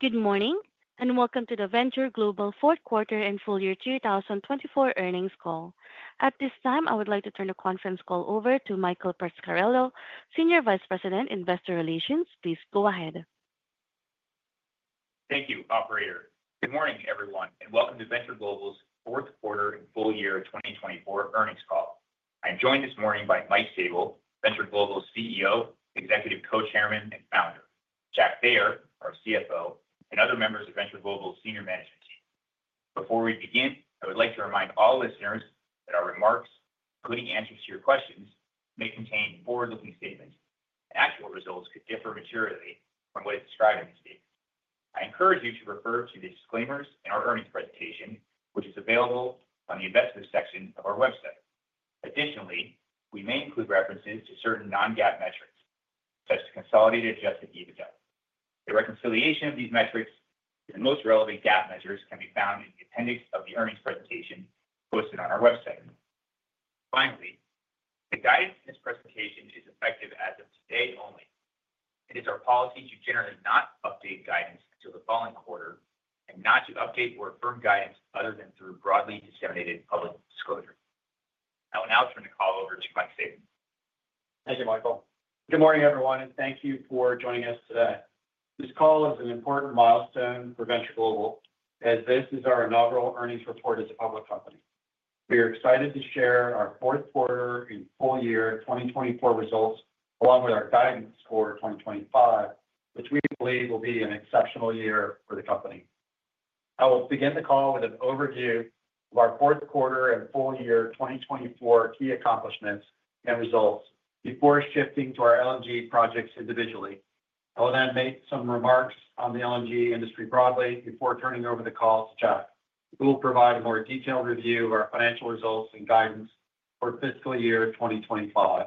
Good morning and welcome to the Venture Global Fourth Quarter and Full Year 2024 earnings call. At this time, I would like to turn the conference call over to Michael Pasquarello, Senior Vice President, Investor Relations. Please go ahead. Thank you, Operator. Good morning, everyone, and welcome to Venture Global's fourth quarter and full year 2024 earnings call. I'm joined this morning by Mike Sabel, Venture Global's CEO, Executive Co-Chairman, and Founder, Jack Thayer, our CFO, and other members of Venture Global's senior management team. Before we begin, I would like to remind all listeners that our remarks, including answers to your questions, may contain forward-looking statements, and actual results could differ materially from what is described in these statements. I encourage you to refer to the disclaimers in our earnings presentation, which is available on the investors' section of our website. Additionally, we may include references to certain non-GAAP metrics, such as the Consolidated Adjusted EBITDA. The reconciliation of these metrics and the most relevant GAAP measures can be found in the appendix of the earnings presentation posted on our website. Finally, the guidance in this presentation is effective as of today only. It is our policy to generally not update guidance until the following quarter and not to update or affirm guidance other than through broadly disseminated public disclosure. I will now turn the call over to Mike Sabel. Thank you, Michael. Good morning, everyone, and thank you for joining us today. This call is an important milestone for Venture Global as this is our inaugural earnings report as a public company. We are excited to share our fourth quarter and full year 2024 results along with our guidance for 2025, which we believe will be an exceptional year for the company. I will begin the call with an overview of our fourth quarter and full year 2024 key accomplishments and results before shifting to our LNG projects individually. I will then make some remarks on the LNG industry broadly before turning over the call to Jack, who will provide a more detailed review of our financial results and guidance for fiscal year 2025.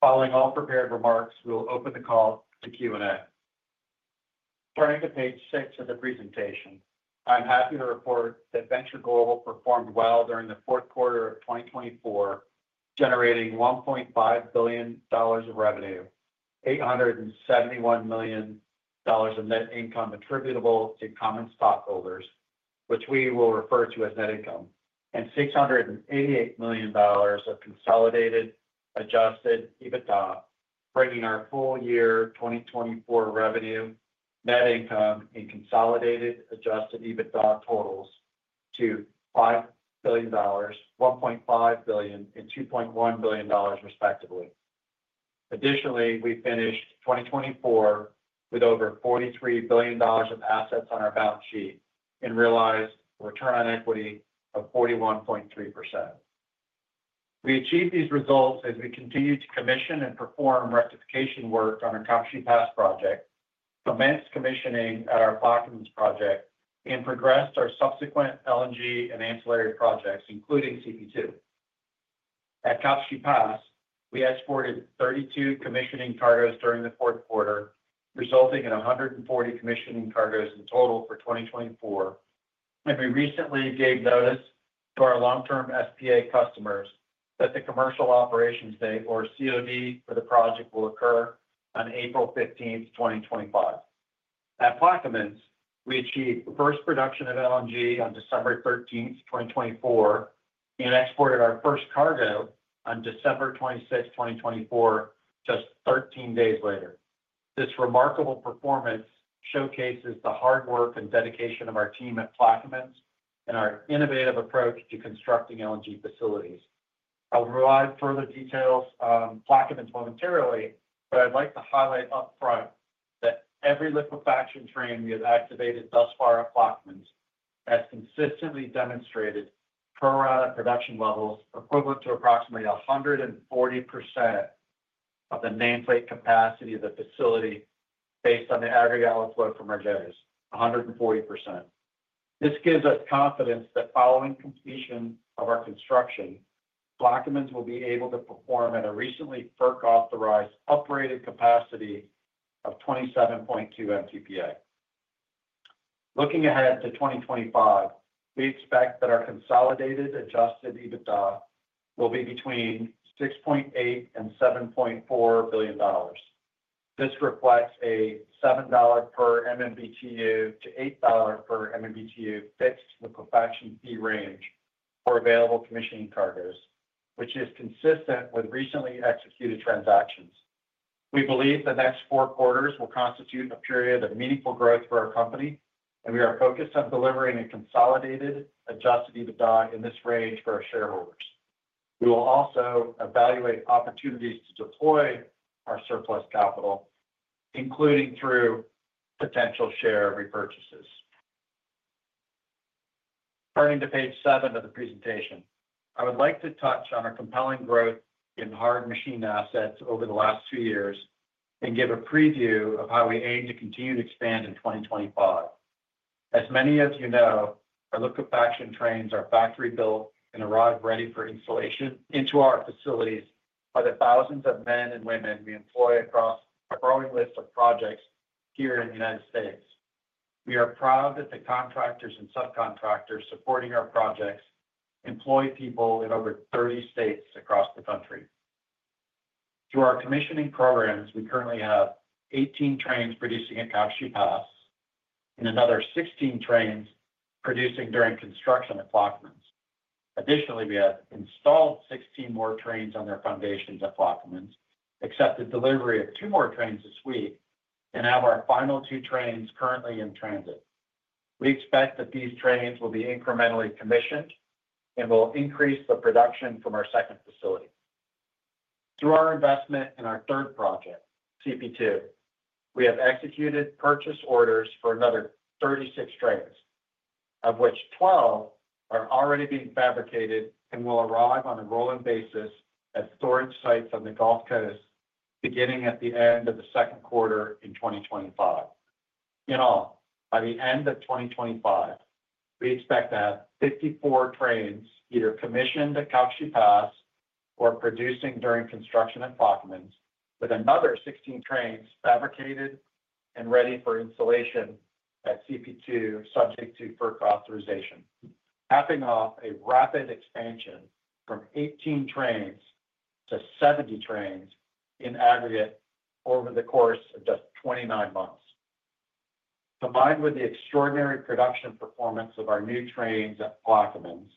Following all prepared remarks, we will open the call to Q&A. Starting at page six of the presentation, I'm happy to report that Venture Global performed well during the fourth quarter of 2024, generating $1.5 billion of revenue, $871 million of net income attributable to common stockholders, which we will refer to as net income, and $688 million of consolidated adjusted EBITDA, bringing our full year 2024 revenue, net income, and consolidated adjusted EBITDA totals to $5 billion, $1.5 billion, and $2.1 billion, respectively. Additionally, we finished 2024 with over $43 billion of assets on our balance sheet and realized a return on equity of 41.3%. We achieved these results as we continued to commission and perform rectification work on our Calcasieu Pass project, commenced commissioning at our Plaquemines project, and progressed our subsequent LNG and ancillary projects, including CP2. At Calcasieu Pass, we exported 32 commissioning cargoes during the fourth quarter, resulting in 140 commissioning cargoes in total for 2024, and we recently gave notice to our long-term SPA customers that the commercial operations date, or COD, for the project will occur on April 15, 2025. At Plaquemines, we achieved the first production of LNG on December 13, 2024, and exported our first cargo on December 26, 2024, just 13 days later. This remarkable performance showcases the hard work and dedication of our team at Plaquemines and our innovative approach to constructing LNG facilities. I will provide further details on Plaquemines momentarily, but I'd like to highlight upfront that every liquefaction train we have activated thus far at Plaquemines has consistently demonstrated pro-rata production levels equivalent to approximately 140% of the nameplate capacity of the facility based on the aggregate outflow from our jetters: 140%. This gives us confidence that following completion of our construction, Plaquemines will be able to perform at a recently FERC authorized upgraded capacity of 27.2 MTPA. Looking ahead to 2025, we expect that our Consolidated Adjusted EBITDA will be between $6.8 and $7.4 billion. This reflects a $7-$8 per MMBtu fixed liquefaction fee range for available commissioning cargoes, which is consistent with recently executed transactions. We believe the next four quarters will constitute a period of meaningful growth for our company, and we are focused on delivering a Consolidated Adjusted EBITDA in this range for our shareholders. We will also evaluate opportunities to deploy our surplus capital, including through potential share repurchases. Turning to page seven of the presentation, I would like to touch on our compelling growth in hard machine assets over the last two years and give a preview of how we aim to continue to expand in 2025. As many of you know, our liquefaction trains are factory-built and arrive ready for installation into our facilities by the thousands of men and women we employ across a growing list of projects here in the United States. We are proud that the contractors and subcontractors supporting our projects employ people in over 30 states across the country. Through our commissioning programs, we currently have 18 trains producing at Calcasieu Pass and another 16 trains producing during construction at Plaquemines. Additionally, we have installed 16 more trains on their foundations at Plaquemines, accepted delivery of two more trains this week, and have our final two trains currently in transit. We expect that these trains will be incrementally commissioned and will increase the production from our second facility. Through our investment in our third project, CP2, we have executed purchase orders for another 36 trains, of which 12 are already being fabricated and will arrive on a rolling basis at storage sites on the Gulf Coast beginning at the end of the second quarter in 2025. In all, by the end of 2025, we expect to have 54 trains either commissioned at Calcasieu Pass or producing during construction at Plaquemines, with another 16 trains fabricated and ready for installation at CP2, subject to FERC authorization, capping off a rapid expansion from 18 trains to 70 trains in aggregate over the course of just 29 months. Combined with the extraordinary production performance of our new trains at Plaquemines,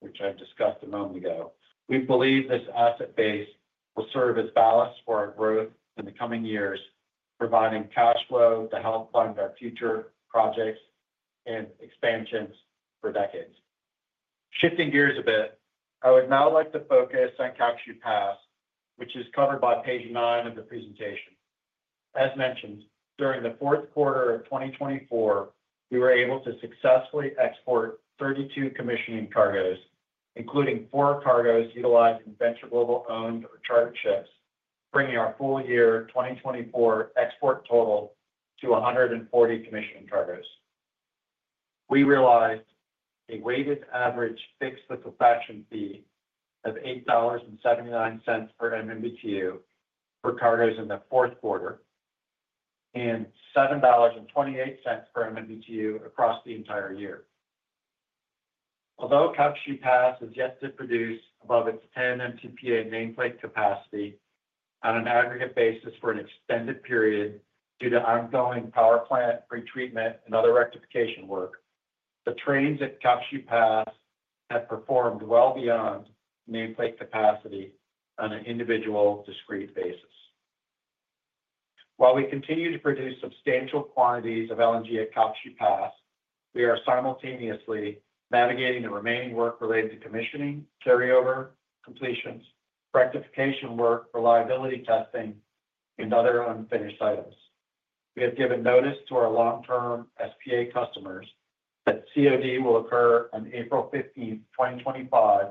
which I discussed a moment ago, we believe this asset base will serve as a balance for our growth in the coming years, providing cash flow to help fund our future projects and expansions for decades. Shifting gears a bit, I would now like to focus on Calcasieu Pass, which is covered by page nine of the presentation. As mentioned, during the fourth quarter of 2024, we were able to successfully export 32 commissioning cargoes, including four cargoes utilizing Venture Global-owned or chartered ships, bringing our full year 2024 export total to 140 commissioning cargoes. We realized a weighted average fixed liquefaction fee of $8.79 per MMBtu for cargoes in the fourth quarter and $7.28 per MMBtu across the entire year. Although Calcasieu Pass has yet to produce above its 10 MTPA nameplate capacity on an aggregate basis for an extended period due to ongoing power plant pretreatment and other rectification work, the trains at Calcasieu Pass have performed well beyond nameplate capacity on an individual discrete basis. While we continue to produce substantial quantities of LNG at Calcasieu Pass, we are simultaneously navigating the remaining work related to commissioning, carryover completions, rectification work, reliability testing, and other unfinished items. We have given notice to our long-term SPA customers that COD will occur on April 15, 2025,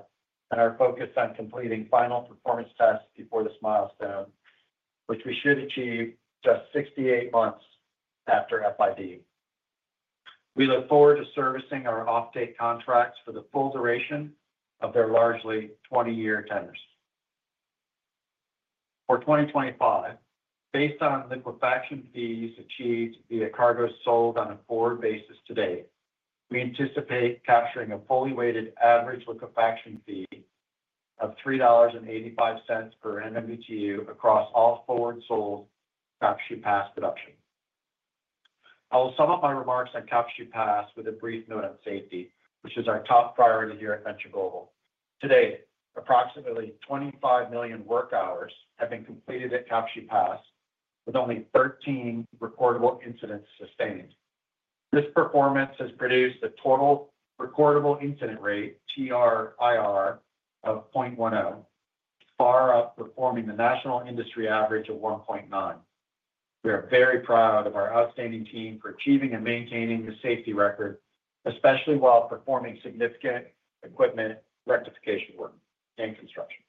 and are focused on completing final performance tests before this milestone, which we should achieve just 68 months after FID. We look forward to servicing our offtake contracts for the full duration of their largely 20-year tenors. For 2025, based on liquefaction fees achieved via cargoes sold on a forward basis today, we anticipate capturing a fully weighted average liquefaction fee of $3.85 per MMBtu across all forward sold Calcasieu Pass production. I will sum up my remarks on Calcasieu Pass with a brief note on safety, which is our top priority here at Venture Global. Today, approximately 25 million work hours have been completed at Calcasieu Pass, with only 13 recordable incidents sustained. This performance has produced a Total Recordable Incident Rate, TRIR, of 0.10, far outperforming the national industry average of 1.9. We are very proud of our outstanding team for achieving and maintaining the safety record, especially while performing significant equipment rectification work and construction.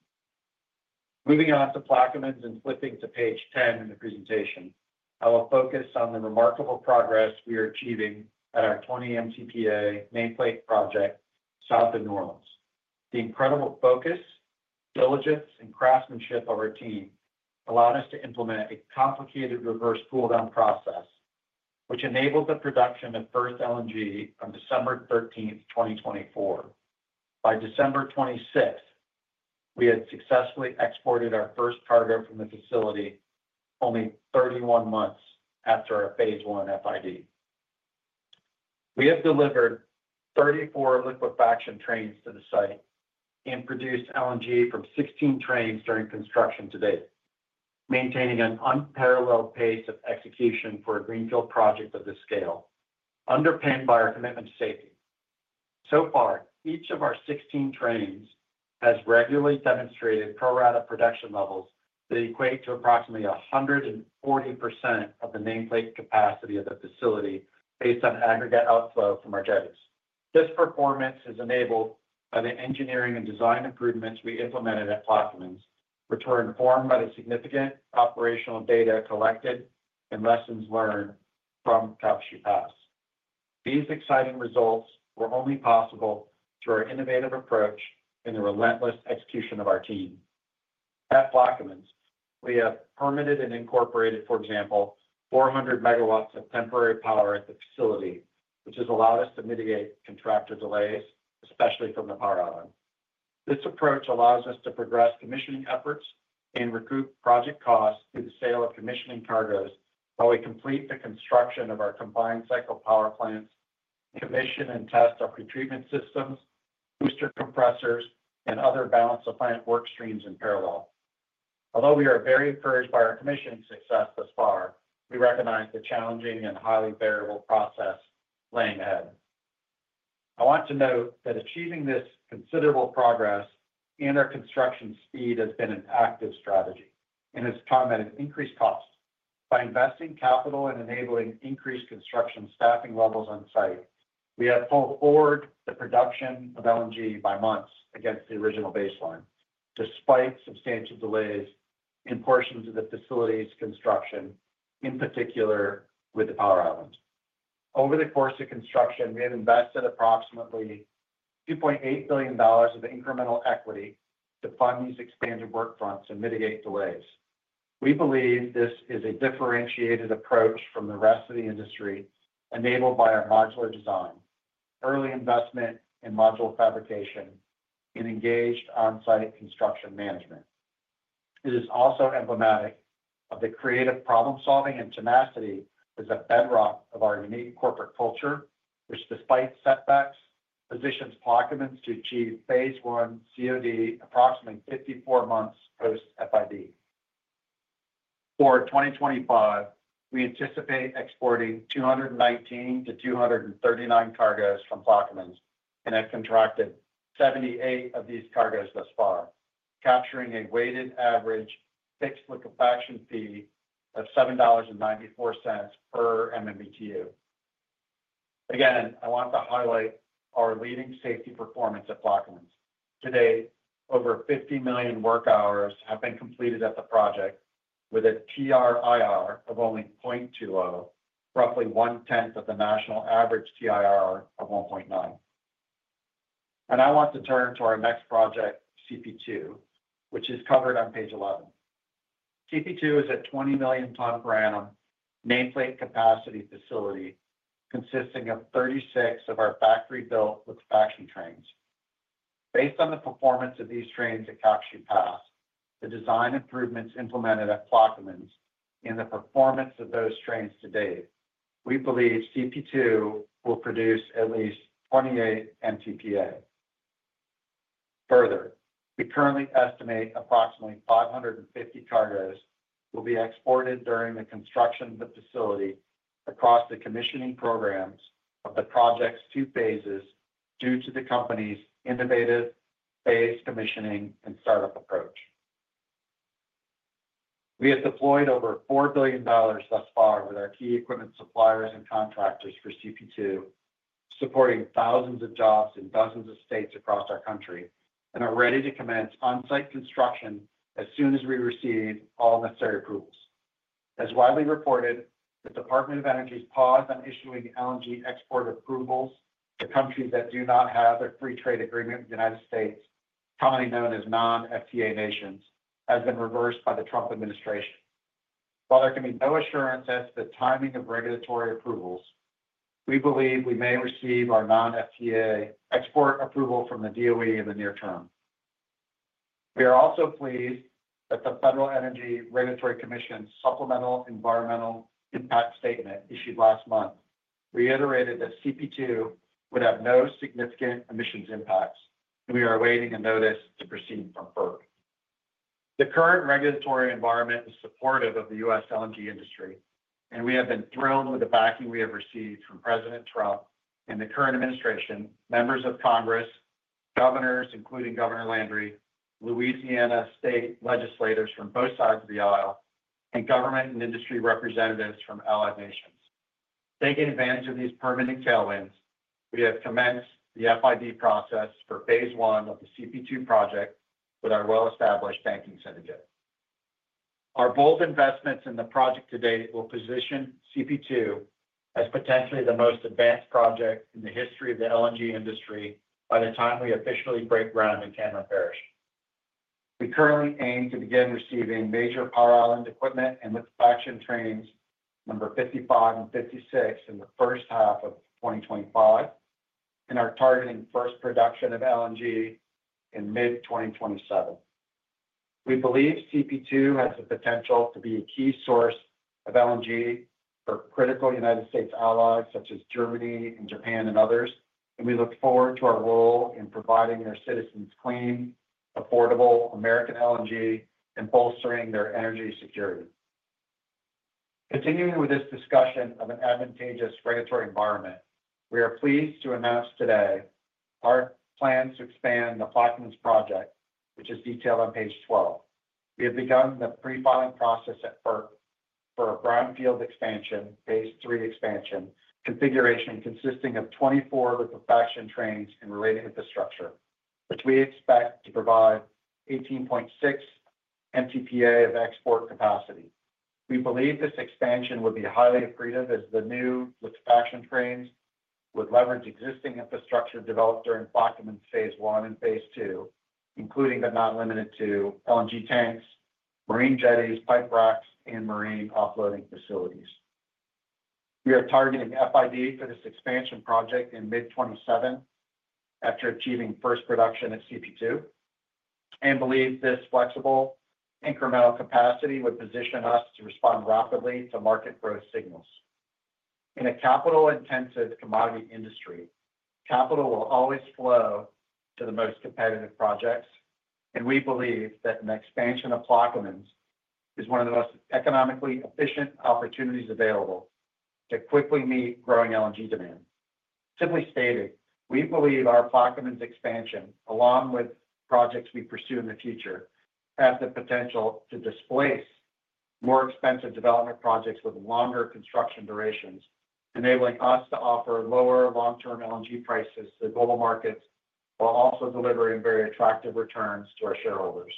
Moving on to Plaquemines and flipping to page 10 of the presentation, I will focus on the remarkable progress we are achieving at our 20 MTPA nameplate project south of New Orleans. The incredible focus, diligence, and craftsmanship of our team allowed us to implement a complicated reverse cooldown process, which enabled the production of first LNG on December 13, 2024. By December 26, we had successfully exported our first cargo from the facility only 31 months after our Phase One FID. We have delivered 34 liquefaction trains to the site and produced LNG from 16 trains during construction to date, maintaining an unparalleled pace of execution for a greenfield project of this scale, underpinned by our commitment to safety. So far, each of our 16 trains has regularly demonstrated pro-rata production levels that equate to approximately 140% of the nameplate capacity of the facility based on aggregate outflow from our jetties. This performance is enabled by the engineering and design improvements we implemented at Plaquemines, which were informed by the significant operational data collected and lessons learned from Calcasieu Pass. These exciting results were only possible through our innovative approach and the relentless execution of our team. At Plaquemines, we have permitted and incorporated, for example, 400 MW of temporary power at the facility, which has allowed us to mitigate contractor delays, especially from the power island. This approach allows us to progress commissioning efforts and recoup project costs through the sale of commissioning cargoes while we complete the construction of our combined cycle power plants, commission and test our pretreatment systems, booster compressors, and other balance of plant work streams in parallel. Although we are very encouraged by our commissioning success thus far, we recognize the challenging and highly variable process lying ahead. I want to note that achieving this considerable progress and our construction speed has been an active strategy and has come at an increased cost. By investing capital and enabling increased construction staffing levels on site, we have pulled forward the production of LNG by months against the original baseline, despite substantial delays in portions of the facility's construction, in particular with the power island. Over the course of construction, we have invested approximately $2.8 billion of incremental equity to fund these expanded work fronts and mitigate delays. We believe this is a differentiated approach from the rest of the industry, enabled by our modular design, early investment in module fabrication, and engaged on-site construction management. It is also emblematic of the creative problem-solving and tenacity that is a bedrock of our unique corporate culture, which, despite setbacks, positions Plaquemines to achieve Phase One COD approximately 54 months post-FID. For 2025, we anticipate exporting 219-239 cargoes from Plaquemines and have contracted 78 of these cargoes thus far, capturing a weighted average fixed liquefaction fee of $7.94 per MMBtu. Again, I want to highlight our leading safety performance at Plaquemines. Today, over 50 million work hours have been completed at the project with a TRIR of only 0.20, roughly one-tenth of the national average TRIR of 1.9, and I want to turn to our next project, CP2, which is covered on page 11. CP2 is a 20 million tonnes per annum nameplate capacity facility consisting of 36 of our factory-built liquefaction trains. Based on the performance of these trains at Calcasieu Pass, the design improvements implemented at Plaquemines and the performance of those trains to date, we believe CP2 will produce at least 28 MTPA. Further, we currently estimate approximately 550 cargoes will be exported during the construction of the facility across the commissioning programs of the project's two phases due to the company's innovative phased commissioning and startup approach. We have deployed over $4 billion thus far with our key equipment suppliers and contractors for CP2, supporting thousands of jobs in dozens of states across our country, and are ready to commence on-site construction as soon as we receive all necessary approvals. As widely reported, the Department of Energy's pause on issuing LNG export approvals to countries that do not have a free trade agreement with the United States, commonly known as non-FTA nations, has been reversed by the Trump administration. While there can be no assurance as to the timing of regulatory approvals, we believe we may receive our non-FTA export approval from the DOE in the near term. We are also pleased that the Federal Energy Regulatory Commission's Supplemental Environmental Impact Statement issued last month reiterated that CP2 would have no significant emissions impacts, and we are awaiting a notice to proceed from FERC. The current regulatory environment is supportive of the U.S. LNG industry, and we have been thrilled with the backing we have received from President Trump and the current administration, members of Congress, governors, including Governor Landry, Louisiana state legislators from both sides of the aisle, and government and industry representatives from allied nations. Taking advantage of these permanent tailwinds, we have commenced the FID process for Phase One of the CP2 project with our well-established banking syndicate. Our bold investments in the project to date will position CP2 as potentially the most advanced project in the history of the LNG industry by the time we officially break ground in Cameron Parish. We currently aim to begin receiving major power island equipment and liquefaction trains, number 55 and 56, in the first half of 2025, and are targeting first production of LNG in mid-2027. We believe CP2 has the potential to be a key source of LNG for critical United States allies such as Germany and Japan and others, and we look forward to our role in providing our citizens clean, affordable American LNG and bolstering their energy security. Continuing with this discussion of an advantageous regulatory environment, we are pleased to announce today our plans to expand the Plaquemines project, which is detailed on page 12. We have begun the pre-filing process at FERC for a brownfield expansion, Phase Three expansion, configuration consisting of 24 liquefaction trains and related infrastructure, which we expect to provide 18.6 MTPA of export capacity. We believe this expansion would be highly appreciated as the new liquefaction trains would leverage existing infrastructure developed during Plaquemines Phase One and Phase Two, including but not limited to LNG tanks, marine jetties, pipe racks, and marine offloading facilities. We are targeting FID for this expansion project in mid-2027 after achieving first production at CP2 and believe this flexible incremental capacity would position us to respond rapidly to market growth signals. In a capital-intensive commodity industry, capital will always flow to the most competitive projects, and we believe that an expansion of Plaquemines is one of the most economically efficient opportunities available to quickly meet growing LNG demand. Simply stated, we believe our Plaquemines expansion, along with projects we pursue in the future, has the potential to displace more expensive development projects with longer construction durations, enabling us to offer lower long-term LNG prices to the global markets while also delivering very attractive returns to our shareholders.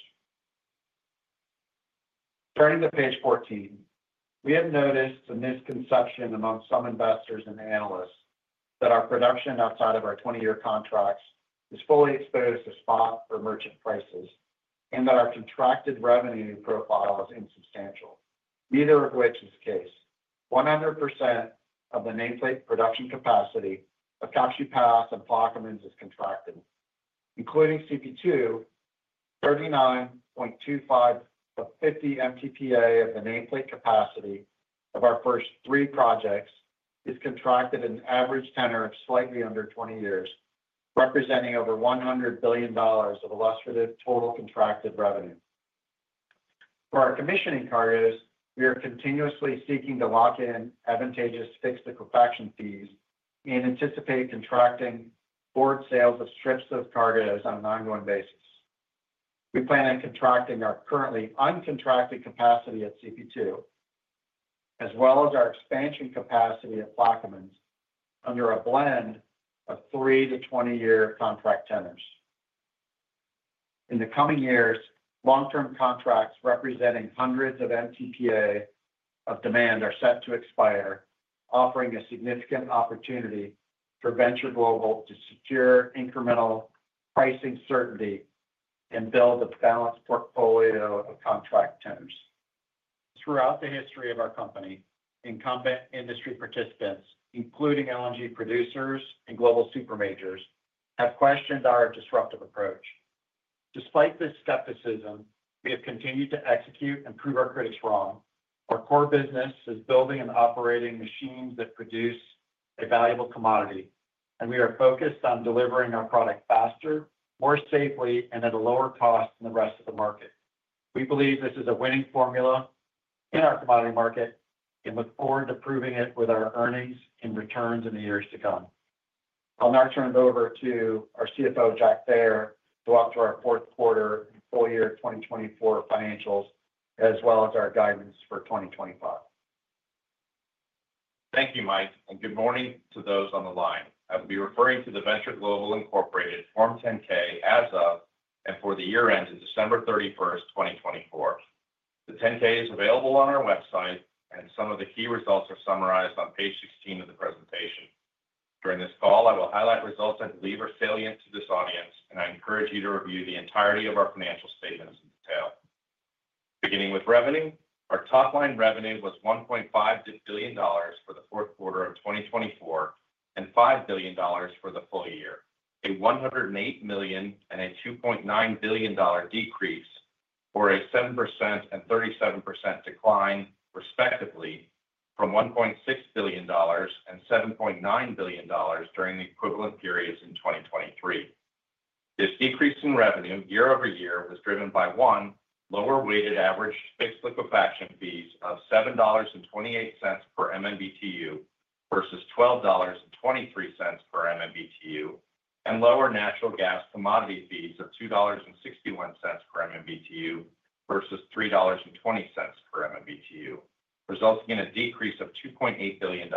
Turning to page 14, we have noticed a misconception among some investors and analysts that our production outside of our 20-year contracts is fully exposed to spot or merchant prices and that our contracted revenue profile is insubstantial, neither of which is the case. 100% of the nameplate production capacity of Calcasieu Pass and Plaquemines is contracted, including CP2. 39.25 of 50 MTPA of the nameplate capacity of our first three projects is contracted in an average tenor of slightly under 20 years, representing over $100 billion of illustrative total contracted revenue. For our commissioning cargoes, we are continuously seeking to lock in advantageous fixed liquefaction fees and anticipate contracting forward sales of strips of cargoes on an ongoing basis. We plan on contracting our currently uncontracted capacity at CP2, as well as our expansion capacity at Plaquemines under a blend of three to 20-year contract tenors. In the coming years, long-term contracts representing hundreds of MTPA of demand are set to expire, offering a significant opportunity for Venture Global to secure incremental pricing certainty and build a balanced portfolio of contract tenors. Throughout the history of our company, incumbent industry participants, including LNG producers and global super majors, have questioned our disruptive approach. Despite this skepticism, we have continued to execute and prove our critics wrong. Our core business is building and operating machines that produce a valuable commodity, and we are focused on delivering our product faster, more safely, and at a lower cost than the rest of the market. We believe this is a winning formula in our commodity market and look forward to proving it with our earnings and returns in the years to come. I'll now turn it over to our CFO, Jack Thayer, to walk through our fourth quarter and full year 2024 financials, as well as our guidance for 2025. Thank you, Mike, and good morning to those on the line. I will be referring to the Venture Global Incorporated, Form 10-K as of and for the year ends on December 31st, 2024. The 10-K is available on our website, and some of the key results are summarized on page 16 of the presentation. During this call, I will highlight results I believe are salient to this audience, and I encourage you to review the entirety of our financial statements in detail. Beginning with revenue, our top-line revenue was $1.5 billion for the fourth quarter of 2024 and $5 billion for the full year, a $108 million and a $2.9 billion decrease or a 7% and 37% decline, respectively, from $1.6 billion and $7.9 billion during the equivalent periods in 2023. This decrease in revenue year-over-year was driven by, one, lower weighted average fixed liquefaction fees of $7.28 per MMBtu versus $12.23 per MMBtu, and lower natural gas commodity fees of $2.61 per MMBtu versus $3.20 per MMBtu, resulting in a decrease of $2.8 billion,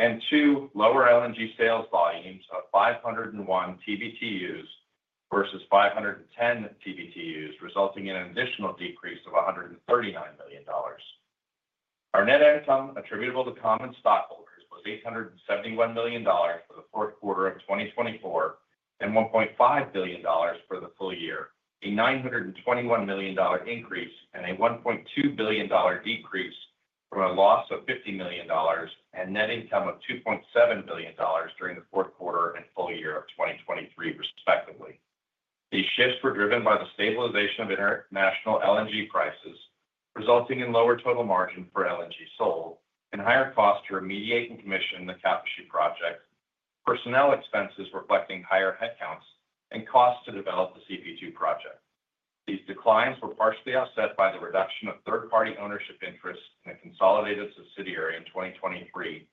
and two, lower LNG sales volumes of 501 TBtus versus 510 TBtus, resulting in an additional decrease of $139 million. Our net income attributable to common stockholders was $871 million for the fourth quarter of 2024 and $1.5 billion for the full year, a $921 million increase and a $1.2 billion decrease from a loss of $50 million and net income of $2.7 billion during the fourth quarter and full year of 2023, respectively. These shifts were driven by the stabilization of international LNG prices, resulting in lower total margin for LNG sold and higher costs to remediate and commission the Calcasieu Pass project, personnel expenses reflecting higher headcounts, and costs to develop the CP2 project. These declines were partially offset by the reduction of third-party ownership interests in a consolidated subsidiary in 2023,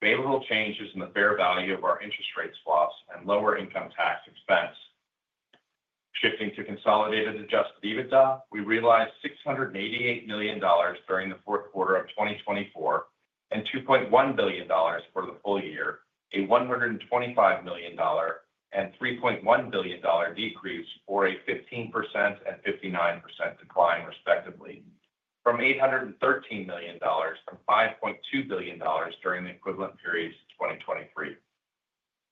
favorable changes in the fair value of our interest rates swaps, and lower income tax expense. Shifting to Consolidated Adjusted EBITDA, we realized $688 million during the fourth quarter of 2024 and $2.1 billion for the full year, a $125 million and $3.1 billion decrease or a 15% and 59% decline, respectively, from $813 million and $5.2 billion during the equivalent periods in 2023.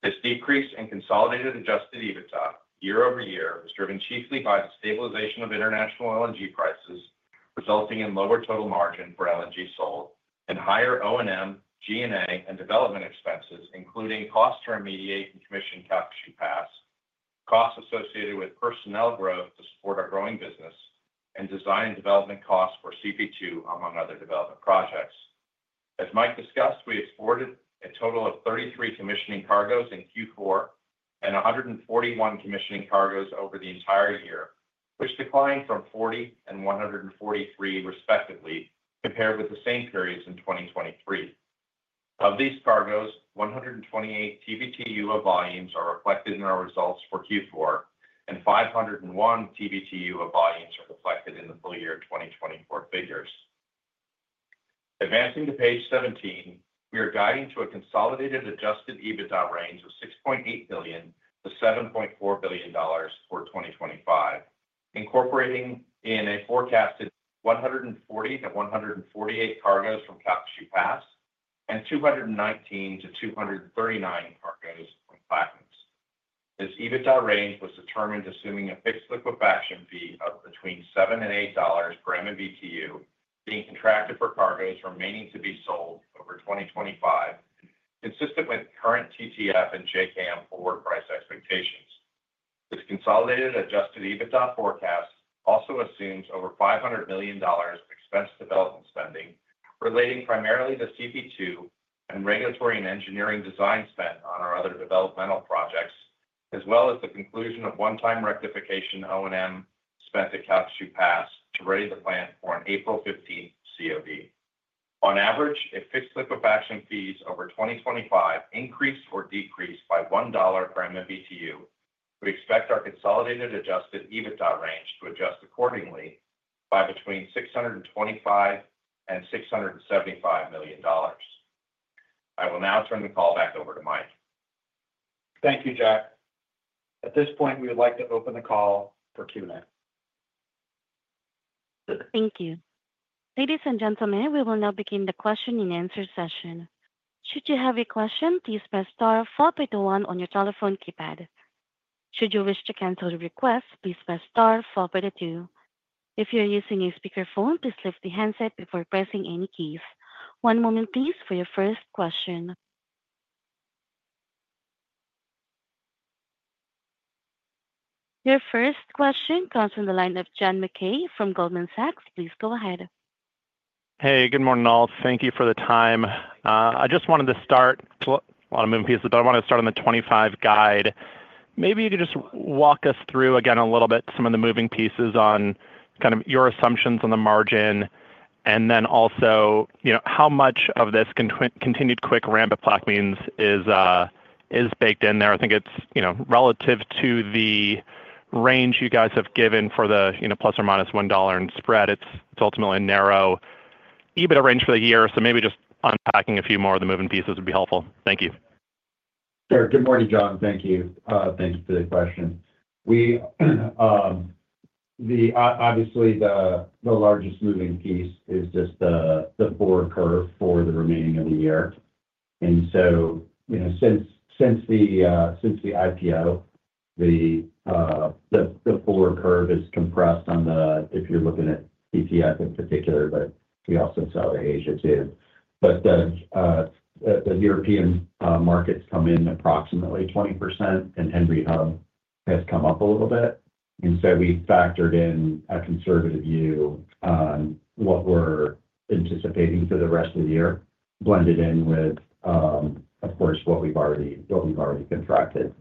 This decrease in Consolidated Adjusted EBITDA year-over-year was driven chiefly by the stabilization of international LNG prices, resulting in lower total margin for LNG sold and higher O&M, G&A, and development expenses, including costs to remediate and commission Calcasieu Pass, costs associated with personnel growth to support our growing business, and design and development costs for CP2, among other development projects. As Mike discussed, we exported a total of 33 commissioning cargoes in Q4 and 141 commissioning cargoes over the entire year, which declined from 40 and 143, respectively, compared with the same periods in 2023. Of these cargoes, 128 TBtu of volumes are reflected in our results for Q4, and 501 TBtu of volumes are reflected in the full year 2024 figures. Advancing to page 17, we are guiding to a Consolidated Adjusted EBITDA range of $6.8 billion-$7.4 billion for 2025, incorporating in a forecasted 140-148 cargoes from Calcasieu Pass and 219-239 cargoes from Plaquemines. This EBITDA range was determined assuming a fixed liquefaction fee of between $7 and $8 per MMBtu being contracted for cargoes remaining to be sold over 2025, consistent with current TTF and JKM forward price expectations. This consolidated adjusted EBITDA forecast also assumes over $500 million of expensed development spending relating primarily to CP2 and regulatory and engineering design spend on our other developmental projects, as well as the conclusion of one-time rectification O&M spend at Calcasieu Pass to ready the plant for an April 15th COD. On average, if fixed liquefaction fees over 2025 increased or decreased by $1 per MMBtu, we expect our consolidated adjusted EBITDA range to adjust accordingly by between $625 and $675 million. I will now turn the call back over to Mike. Thank you, Jack. At this point, we would like to open the call for Q&A. Thank you. Ladies and gentlemen, we will now begin the question and answer session. Should you have a question, please press star four by the one on your telephone keypad. Should you wish to cancel the request, please press star four by the two. If you're using a speakerphone, please lift the handset before pressing any keys. One moment, please, for your first question. Your first question comes from the line of John Mackay from Goldman Sachs. Please go ahead. Hey, good morning, all. Thank you for the time. I just wanted to start, well, a lot of moving pieces, but I wanted to start on the 2025 guide. Maybe you could just walk us through again a little bit some of the moving pieces on kind of your assumptions on the margin and then also how much of this continued quick ramp at Plaquemines is baked in there. I think it's relative to the range you guys have given for the ±$1 in spread. It's ultimately a narrow EBITDA range for the year, so maybe just unpacking a few more of the moving pieces would be helpful. Thank you. Sure. Good morning, John. Thank you. Thank you for the question. Obviously, the largest moving piece is just the forward curve for the remaining of the year. And so since the IPO, the forward curve is compressed on the, if you're looking at TTF in particular, but we also sell to Asia too. But the European markets come in approximately 20%, and Henry Hub has come up a little bit. And so we factored in a conservative view on what we're anticipating for the rest of the year, blended in with, of course, what we've already contracted.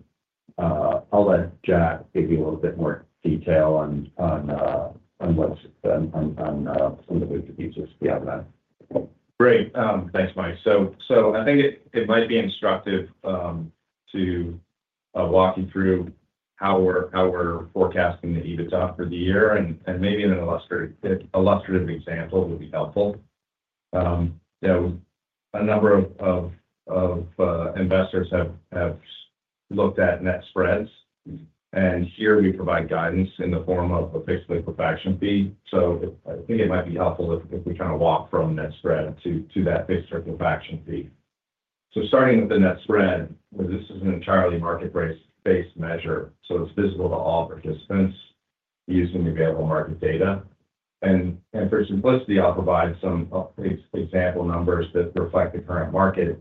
I'll let Jack give you a little bit more detail on what's on some of the moving pieces beyond that. Great. Thanks, Mike. So I think it might be instructive to walk you through how we're forecasting the EBITDA for the year, and maybe an illustrative example would be helpful. A number of investors have looked at net spreads, and here we provide guidance in the form of a fixed liquefaction fee, so I think it might be helpful if we kind of walk from net spread to that fixed liquefaction fee, so starting with the net spread, this is an entirely market-based measure, so it's visible to all participants using the available market data, and for simplicity, I'll provide some example numbers that reflect the current market,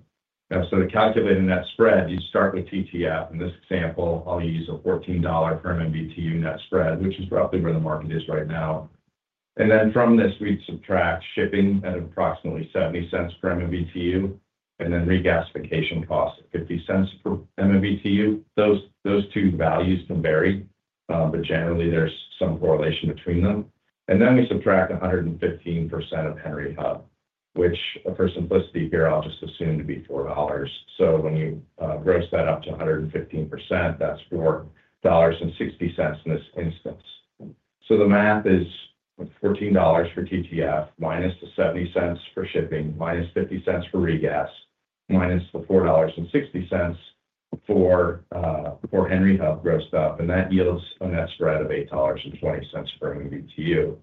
so to calculate a net spread, you start with TTF. In this example, I'll use a $14 per MMBtu net spread, which is roughly where the market is right now, and then from this, we'd subtract shipping at approximately $0.70 per MMBtu and then regasification cost at $0.50 per MMBtu. Those two values can vary, but generally, there's some correlation between them. We subtract 115% of Henry Hub, which for simplicity here, I'll just assume to be $4. So when you gross that up to 115%, that's $4.60 in this instance. So the math is $14 for TTF minus the $0.70 for shipping minus $0.50 for regas minus the $4.60 for Henry Hub grossed up, and that yields a net spread of $8.20 per MMBtu.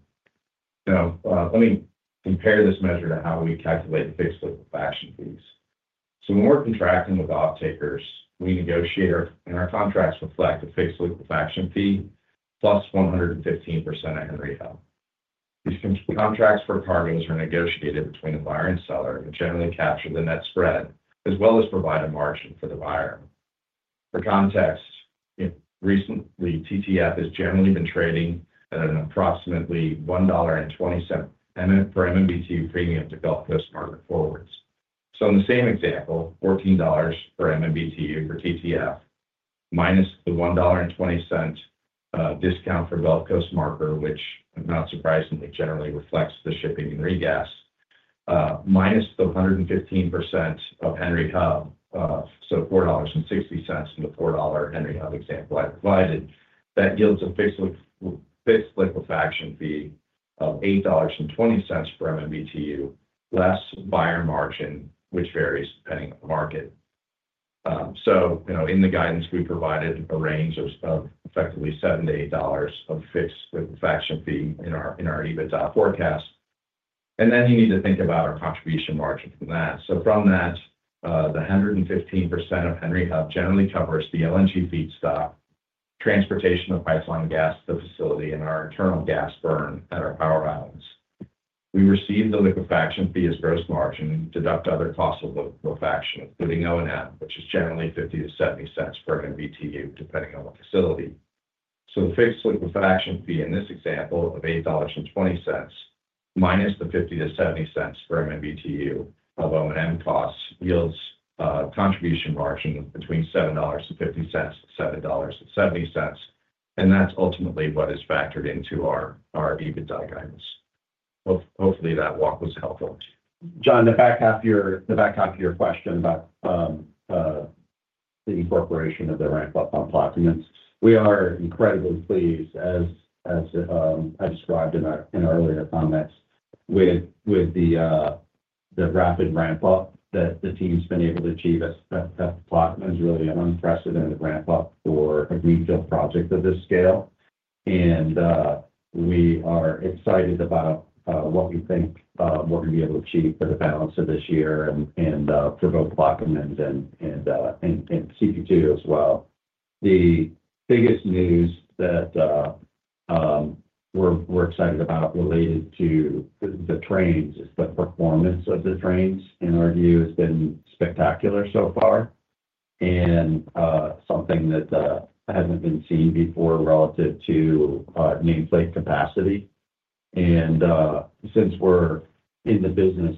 Now, let me compare this measure to how we calculate the fixed liquefaction fees. So when we're contracting with off-takers, we negotiate, and our contracts reflect a fixed liquefaction fee + 115% of Henry Hub. These contracts for cargoes are negotiated between the buyer and seller and generally capture the net spread as well as provide a margin for the buyer. For context, recently, TTF has generally been trading at an approximately $1.20 per MMBtu premium to Gulf Coast Marker forwards. So in the same example, $14 per MMBtu for TTF minus the $1.20 discount for Gulf Coast Marker, which, not surprisingly, generally reflects the shipping and regas, minus the 115% of Henry Hub, so $4.60 from the $4 Henry Hub example I provided, that yields a fixed liquefaction fee of $8.20 per MMBtu less buyer margin, which varies depending on the market. In the guidance, we provided a range of effectively $7-$8 of fixed liquefaction fee in our EBITDA forecast. Then you need to think about our contribution margin from that. From that, the 115% of Henry Hub generally covers the LNG feedstock, transportation of pipeline gas to the facility, and our internal gas burn at our power islands. We receive the liquefaction fee as gross margin and deduct other costs of liquefaction, including O&M, which is generally $0.50-$0.70 per MMBtu, depending on the facility. So the fixed liquefaction fee in this example of $8.20 minus the $0.50-$0.70 per MMBtu of O&M costs yields a contribution margin between $7.50-$7.70, and that's ultimately what is factored into our EBITDA guidance. Hopefully, that walk was helpful. John, the back half of your question about the incorporation of the ramp-up on Plaquemines: we are incredibly pleased, as I described in our earlier comments, with the rapid ramp-up that the team's been able to achieve. Plaquemines is really an unprecedented ramp-up for a greenfield project of this scale, and we are excited about what we think we're going to be able to achieve for the balance of this year and for both Plaquemines and CP2 as well. The biggest news that we're excited about related to the trains is the performance of the trains, in our view, has been spectacular so far and something that hasn't been seen before relative to nameplate capacity, and since we're in the business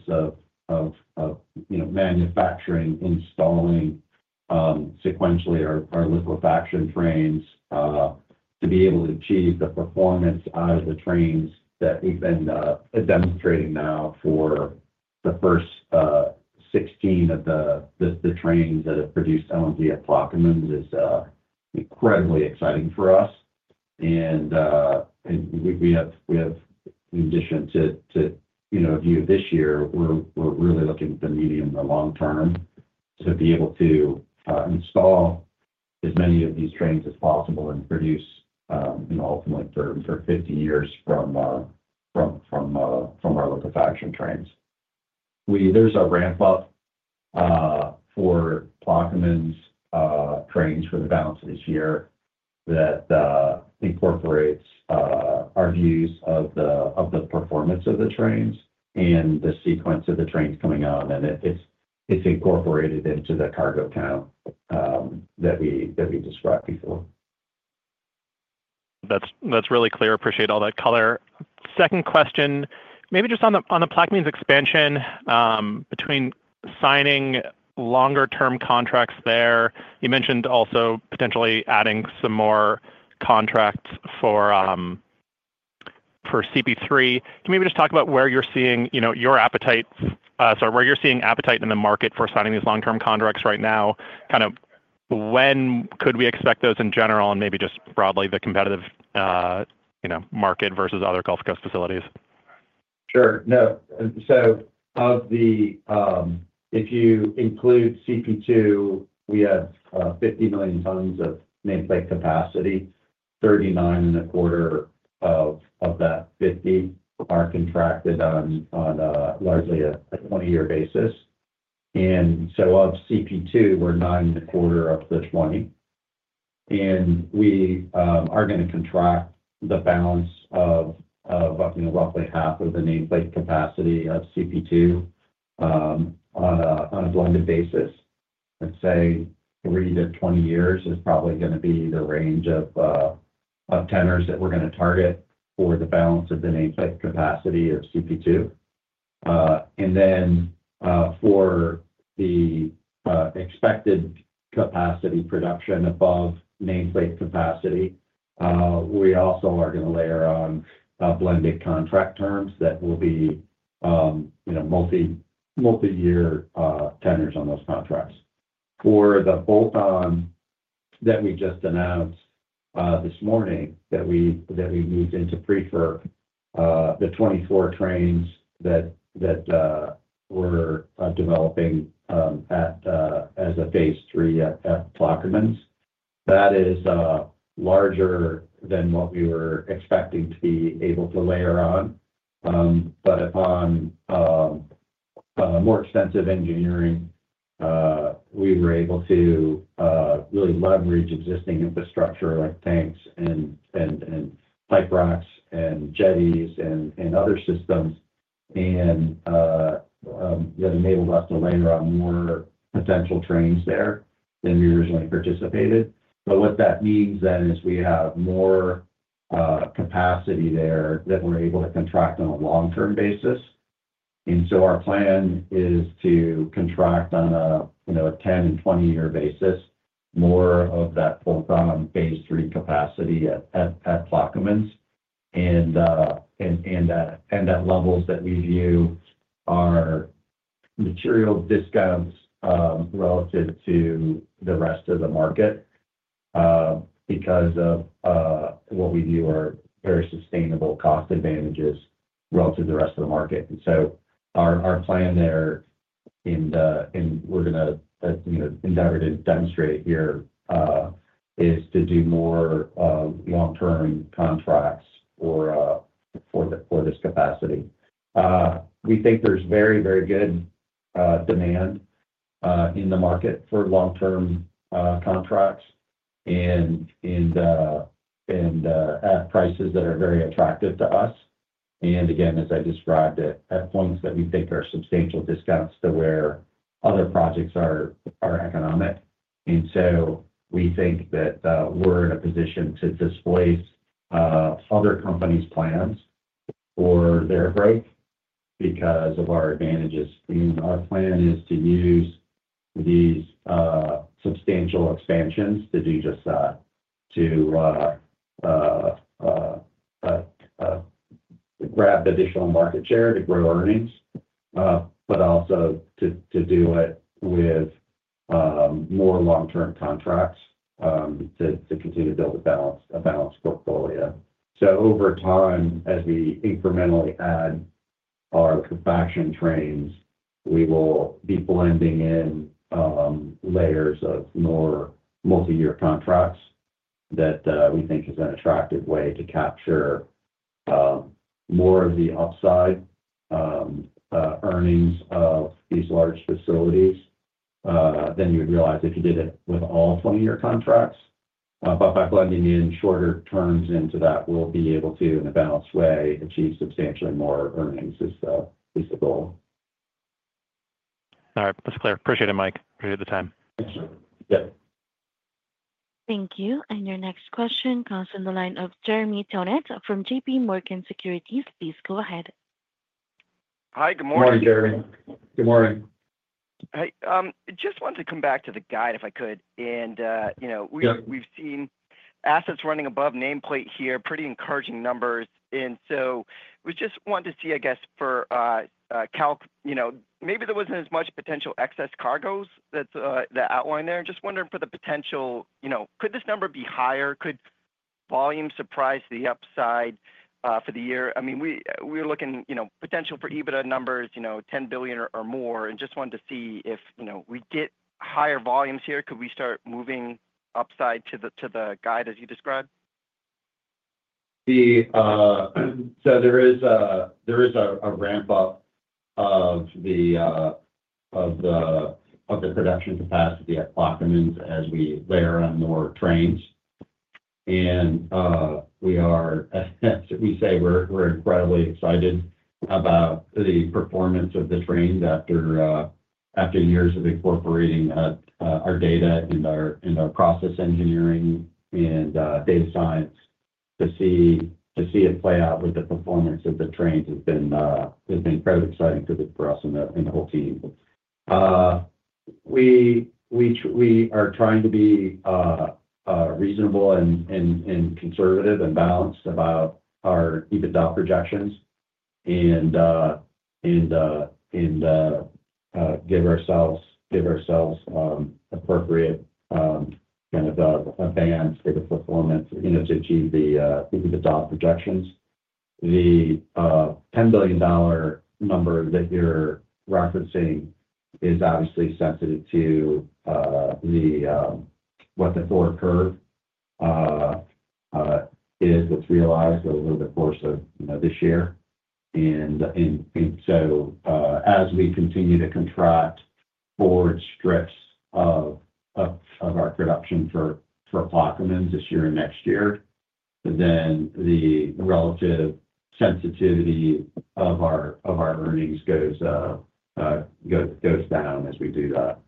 of manufacturing, installing sequentially our liquefaction trains, to be able to achieve the performance out of the trains that we've been demonstrating now for the first 16 of the trains that have produced LNG at Plaquemines is incredibly exciting for us. We have, in addition to view this year, we're really looking at the medium and the long term to be able to install as many of these trains as possible and produce ultimately for 50 years from our liquefaction trains. There's a ramp-up for Plaquemines trains for the balance of this year that incorporates our views of the performance of the trains and the sequence of the trains coming on, and it's incorporated into the cargo count that we described before. That's really clear. Appreciate all that color. Second question, maybe just on the Plaquemines expansion between signing longer-term contracts there. You mentioned also potentially adding some more contracts for CP3. Can you maybe just talk about where you're seeing your appetite, sorry, where you're seeing appetite in the market for signing these long-term contracts right now? Kind of when could we expect those in general and maybe just broadly the competitive market versus other Gulf Coast facilities? Sure. No. So if you include CP2, we have 50 million tons of nameplate capacity. 39.25 of that 50 are contracted on largely a 20-year basis. And so of CP2, we're 9.25 of the 20. And we are going to contract the balance of roughly half of the nameplate capacity of CP2 on a blended basis. Let's say 3-20 years is probably going to be the range of tenors that we're going to target for the balance of the nameplate capacity of CP2. And then for the expected capacity production above nameplate capacity, we also are going to layer on blended contract terms that will be multi-year tenors on those contracts. For the bolt-on that we just announced this morning that we moved into pre-FID, the 24 trains that we're developing as a Phase Three at Plaquemines, that is larger than what we were expecting to be able to layer on. But upon more extensive engineering, we were able to really leverage existing infrastructure like tanks and pipe racks and jetties and other systems that enabled us to layer on more potential trains there than we originally anticipated. But what that means then is we have more capacity there that we're able to contract on a long-term basis. And so our plan is to contract on a 10 and 20-year basis, more of that bolt-on Phase Three capacity at Plaquemines. And at levels that we view are material discounts relative to the rest of the market because of what we view are very sustainable cost advantages relative to the rest of the market. And so our plan there, and we're going to endeavor to demonstrate here, is to do more long-term contracts for this capacity. We think there's very, very good demand in the market for long-term contracts and at prices that are very attractive to us. And again, as I described, at points that we think are substantial discounts to where other projects are economic. And so we think that we're in a position to displace other companies' plans for their growth because of our advantages. And our plan is to use these substantial expansions to do just that, to grab additional market share to grow earnings, but also to do it with more long-term contracts to continue to build a balanced portfolio. So over time, as we incrementally add our liquefaction trains, we will be blending in layers of more multi-year contracts that we think is an attractive way to capture more of the upside earnings of these large facilities than you would realize if you did it with all 20-year contracts. But by blending in shorter terms into that, we'll be able to, in a balanced way, achieve substantially more earnings is the goal. All right. That's clear. Appreciate it, Mike. Appreciate the time. Thanks, sir. Yep. Thank you. And your next question comes from the line of Jeremy Tonet from J.P. Morgan Securities. Please go ahead. Hi. Good morning. Good morning, Jeremy. Good morning. Hi. Just wanted to come back to the guide if I could. And we've seen assets running above nameplate here, pretty encouraging numbers. And so we just wanted to see, I guess, for maybe there wasn't as much potential excess cargoes that the outline there. Just wondering for the potential, could this number be higher? Could volume surprise the upside for the year? I mean, we're looking potential for EBITDA numbers, $10 billion or more, and just wanted to see if we get higher volumes here, could we start moving upside to the guide as you described? So there is a ramp-up of the production capacity at Plaquemines as we layer on more trains. And we say we're incredibly excited about the performance of the trains after years of incorporating our data and our process engineering and data science to see it play out, with the performance of the trains, has been incredibly exciting for us and the whole team. We are trying to be reasonable and conservative and balanced about our EBITDA projections, and give ourselves appropriate kind of a band for the performance to achieve the EBITDA projections. The $10 billion number that you're referencing is obviously sensitive to what the forward curve is, that's realized over the course of this year. And so as we continue to contract forward strips of our production for Plaquemines this year and next year, then the relative sensitivity of our earnings goes down as we do that.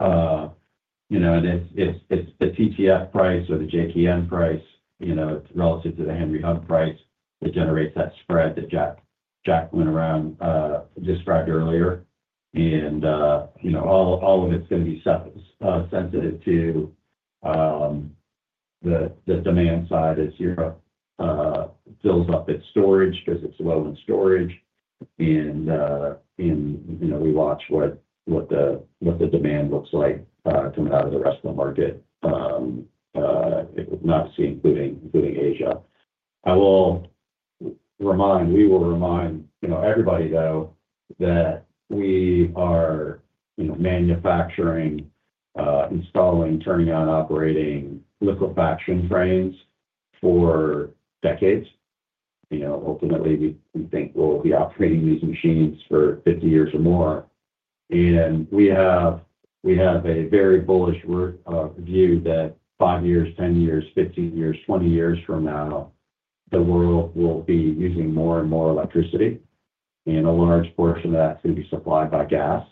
And it's the TTF price or the JKM price relative to the Henry Hub price that generates that spread that Jack described earlier. And all of it's going to be sensitive to the demand side as Europe fills up its storage because it's low in storage. And we watch what the demand looks like coming out of the rest of the market, not to say including Asia. I will remind, we will remind everybody, though, that we are manufacturing, installing, turning on, operating liquefaction trains for decades. Ultimately, we think we'll be operating these machines for 50 years or more. And we have a very bullish view that five years, 10 years, 15 years, 20 years from now, the world will be using more and more electricity. And a large portion of that is going to be supplied by gas.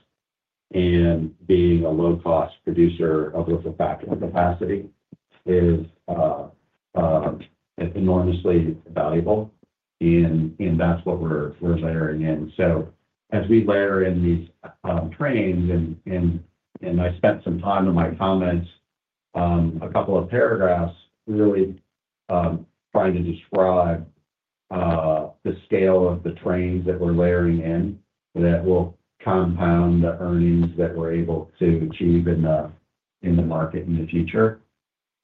And being a low-cost producer of liquefaction capacity is enormously valuable. And that's what we're layering in. So as we layer in these trains, and I spent some time in my comments, a couple of paragraphs really trying to describe the scale of the trains that we're layering in that will compound the earnings that we're able to achieve in the market in the future.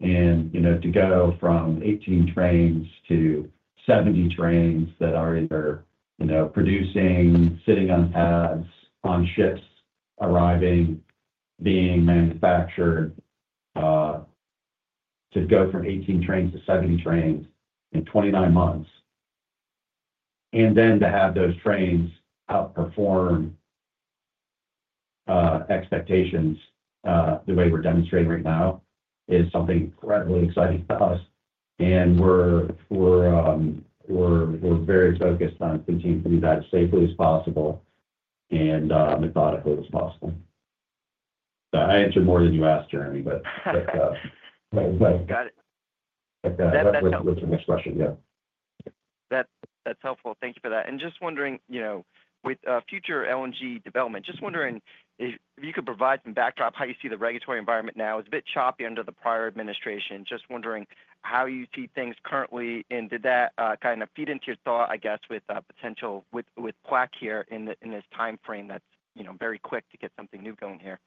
And to go from 18 trains to 70 trains that are either producing, sitting on pads, on ships, arriving, being manufactured, to go from 18 trains to 70 trains in 29 months, and then to have those trains outperform expectations the way we're demonstrating right now is something incredibly exciting to us. And we're very focused on continuing to do that as safely as possible and methodically as possible. I answered more than you asked, Jeremy, but. Got it. That's helpful. That's my next question. Yeah. That's helpful. Thank you for that, and just wondering, with future LNG development, just wondering if you could provide some backdrop how you see the regulatory environment now. It's a bit choppy under the prior administration. Just wondering how you see things currently, and did that kind of feed into your thought, I guess, with potential with Plaquemines here in this timeframe that's very quick to get something new going here?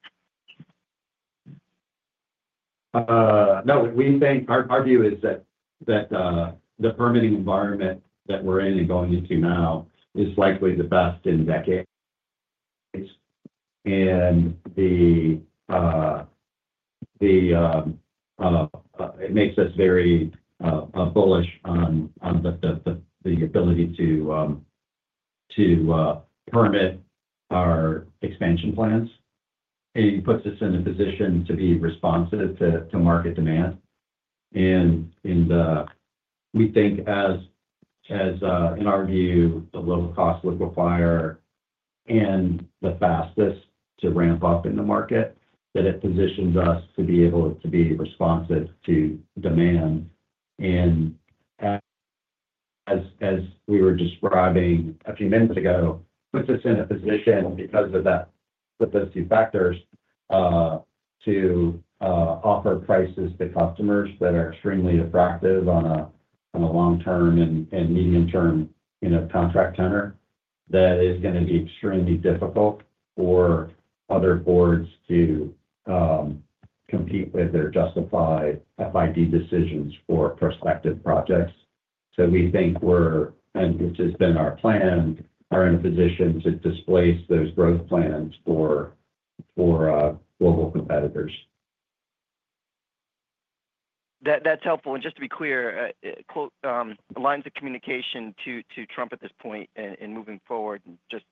Our view is that the permitting environment that we're in and going into now is likely the best in decades, and it makes us very bullish on the ability to permit our expansion plans, and it puts us in a position to be responsive to market demand, and we think, in our view, the low-cost liquefier and the fastest to ramp up in the market, that it positions us to be able to be responsive to demand. As we were describing a few minutes ago, that puts us in a position, because of those two factors, to offer prices to customers that are extremely attractive on a long-term and medium-term contract tenor. That is going to be extremely difficult for other boards to compete with their justified FID decisions for prospective projects. So we think we're, and this has been our plan, are in a position to displace those growth plans for global competitors. That's helpful. And just to be clear, lines of communication to Trump at this point and moving forward, just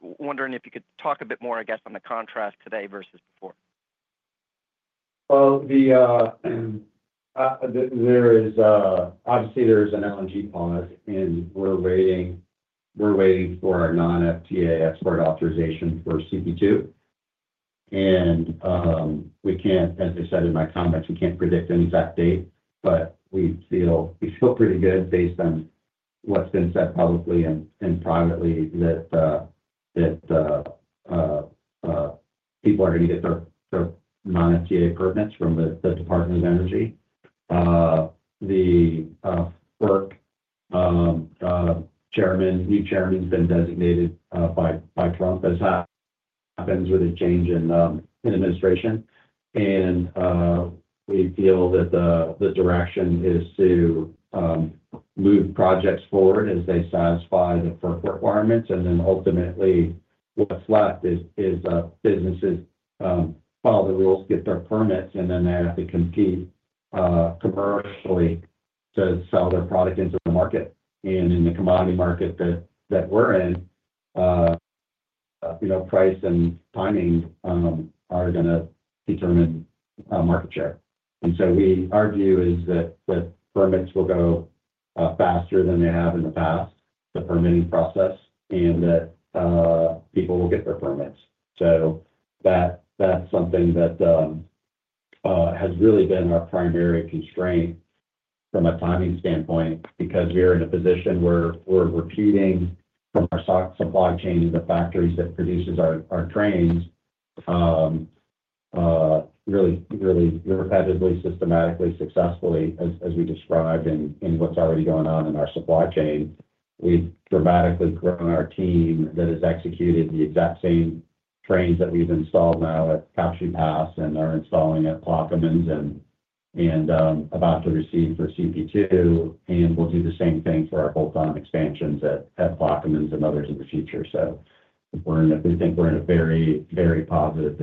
wondering if you could talk a bit more, I guess, on the contrast today versus before. Well, obviously, there is an LNG pause, and we're waiting for our non-FTA export authorization for CP2. And we can't, as I said in my comments, we can't predict an exact date, but we feel pretty good based on what's been said publicly and privately that people are going to get their non-FTA permits from the Department of Energy. The FERC chairman, new chairman, has been designated by Trump as that happens with a change in administration. And we feel that the direction is to move projects forward as they satisfy the FERC requirements. And then ultimately, what's left is businesses follow the rules, get their permits, and then they have to compete commercially to sell their product into the market. And in the commodity market that we're in, price and timing are going to determine market share. And so our view is that permits will go faster than they have in the past, the permitting process, and that people will get their permits. So that's something that has really been our primary constraint from a timing standpoint because we are in a position where we're repeating from our stock supply chain to the factories that produce our trains really repetitively, systematically, successfully, as we described in what's already going on in our supply chain. We've dramatically grown our team that has executed the exact same trains that we've installed now at Calcasieu Pass and are installing at Plaquemines and about to receive for CP2. And we'll do the same thing for our bolt-on expansions at Plaquemines and others in the future. So we think we're in a very, very positive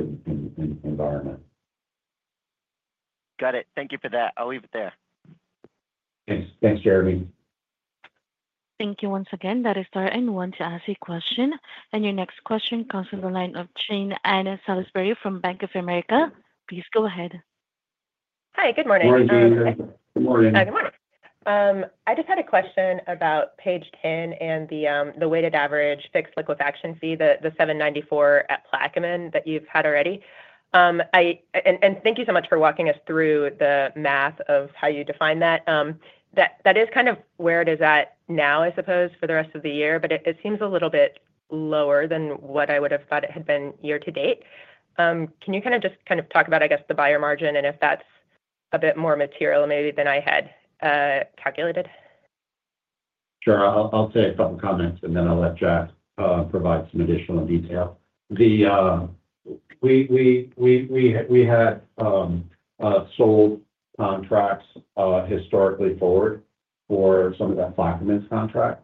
environment. Got it. Thank you for that. I'll leave it there. Thanks, Jeremy. Thank you once again. Press star one to ask a question. And your next question comes from the line of Jean Ann Salisbury from Bank of America. Please go ahead. Hi. Good morning. Good morning, Jean. Good morning. Good morning. I just had a question about page 10 and the weighted average fixed liquefaction fee, the 794 at Plaquemines that you've had already. And thank you so much for walking us through the math of how you define that. That is kind of where it is at now, I suppose, for the rest of the year, but it seems a little bit lower than what I would have thought it had been year to date. Can you kind of just kind of talk about, I guess, the buyer margin and if that's a bit more material maybe than I had calculated? Sure. I'll say a couple of comments, and then I'll let Jack provide some additional detail. We had sold contracts historically forward for some of that Plaquemines contract,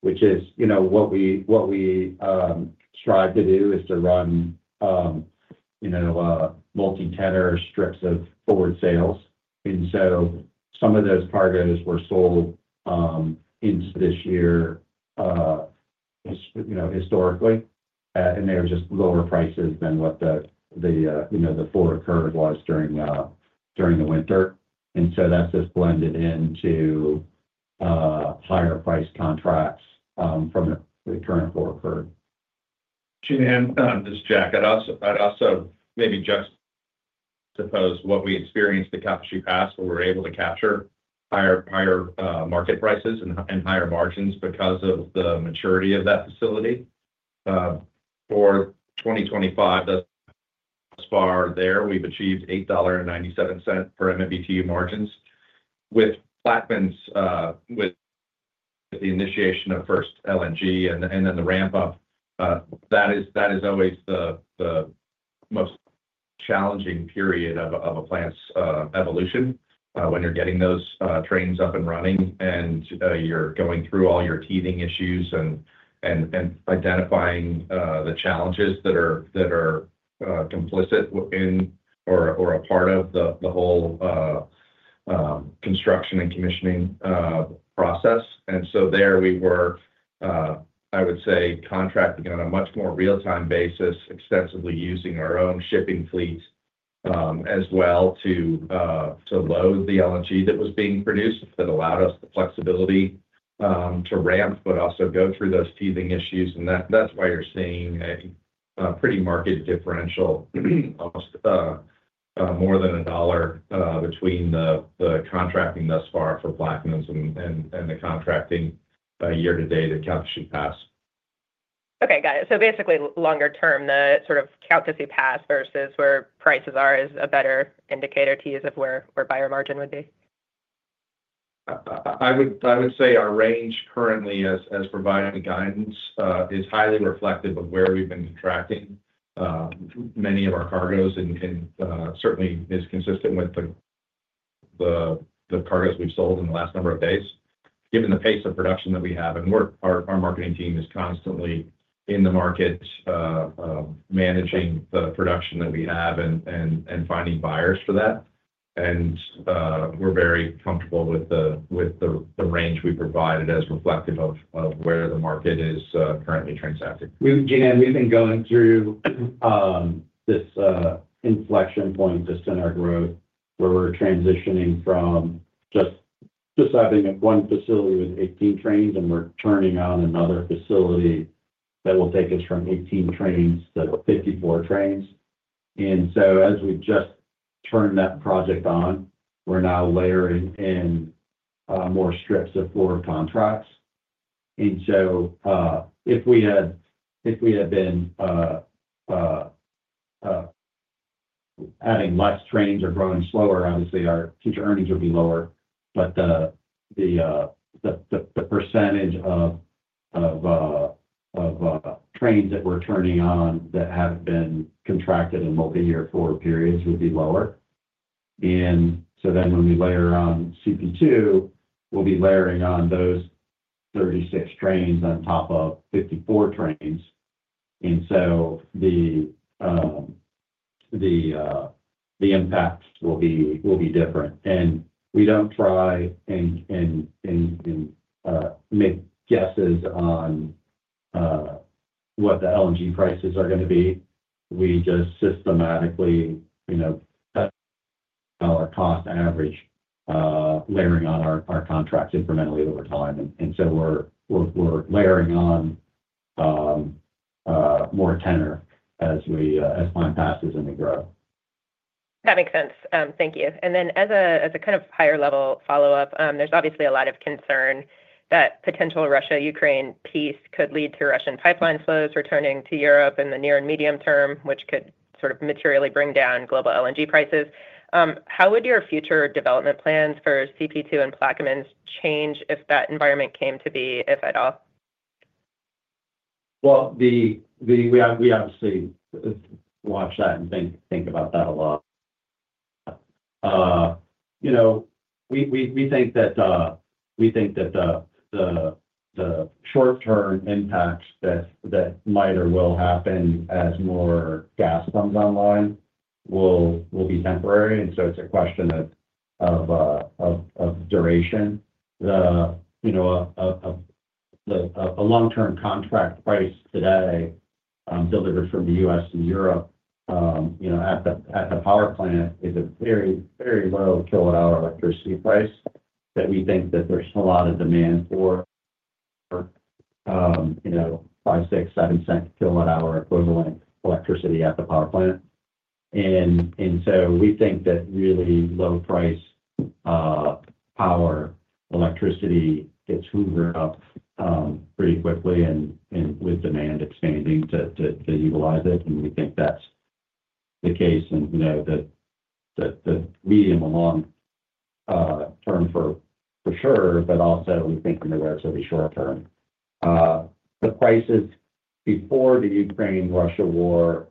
which is what we strive to do is to run multi-tenor strips of forward sales. And so some of those cargoes were sold into this year historically, and they were just lower prices than what the forward curve was during the winter. And so that's just blended into higher price contracts from the current forward curve. This is Jack. I'd also maybe just add what we experienced at Calcasieu Pass, where we were able to capture higher market prices and higher margins because of the maturity of that facility. For 2025, thus far there, we've achieved $8.97 per MMBtu margins. With Plaquemines' initiation of first LNG and then the ramp-up, that is always the most challenging period of a plant's evolution when you're getting those trains up and running, and you're going through all your teething issues and identifying the challenges that are complicit in or a part of the whole construction and commissioning process. And so there, we were, I would say, contracting on a much more real-time basis, extensively using our own shipping fleet as well to load the LNG that was being produced that allowed us the flexibility to ramp, but also go through those teething issues. And that's why you're seeing a pretty market differential, almost more than a dollar, between the contracting thus far for Plaquemines and the contracting year to date at Calcasieu Pass. Okay. Got it. So basically, longer term, the sort of count to Calcasieu Pass versus where prices are is a better indicator to use of where buyer margin would be? I would say our range currently, as providing guidance, is highly reflective of where we've been contracting many of our cargoes and certainly is consistent with the cargoes we've sold in the last number of days. Given the pace of production that we have, and our marketing team is constantly in the market managing the production that we have and finding buyers for that. And we're very comfortable with the range we provided as reflective of where the market is currently transacting. Jean Ann, we've been going through this inflection point just in our growth where we're transitioning from just having one facility with 18 trains, and we're turning on another facility that will take us from 18 trains to 54 trains. And so as we just turned that project on, we're now layering in more strips of forward contracts. And so if we had been adding less trains or growing slower, obviously, our future earnings would be lower. But the percentage of trains that we're turning on that have been contracted in multi-year forward periods would be lower. And so then when we layer on CP2, we'll be layering on those 36 trains on top of 54 trains. And so the impact will be different. And we don't try and make guesses on what the LNG prices are going to be. We just systematically cut our cost average, layering on our contracts incrementally over time. And so we're layering on more tenor as time passes and we grow. That makes sense. Thank you. Then as a kind of higher-level follow-up, there's obviously a lot of concern that potential Russia-Ukraine peace could lead to Russian pipeline flows returning to Europe in the near and medium term, which could sort of materially bring down global LNG prices. How would your future development plans for CP2 and Plaquemines change if that environment came to be, if at all? We obviously watch that and think about that a lot. We think that the short-term impact that might or will happen as more gas comes online will be temporary. And so it's a question of duration. A long-term contract price today delivered from the U.S. to Europe at the power plant is a very, very low kilowatt-hour electricity price that we think that there's a lot of demand for $0.05, $0.06, $0.07-kilowatt-hour equivalent electricity at the power plant. And so we think that really low-price power electricity gets hoovered up pretty quickly and with demand expanding to utilize it. And we think that's the case and the medium and long term for sure, but also we think in the relatively short term. The prices before the Ukraine-Russia war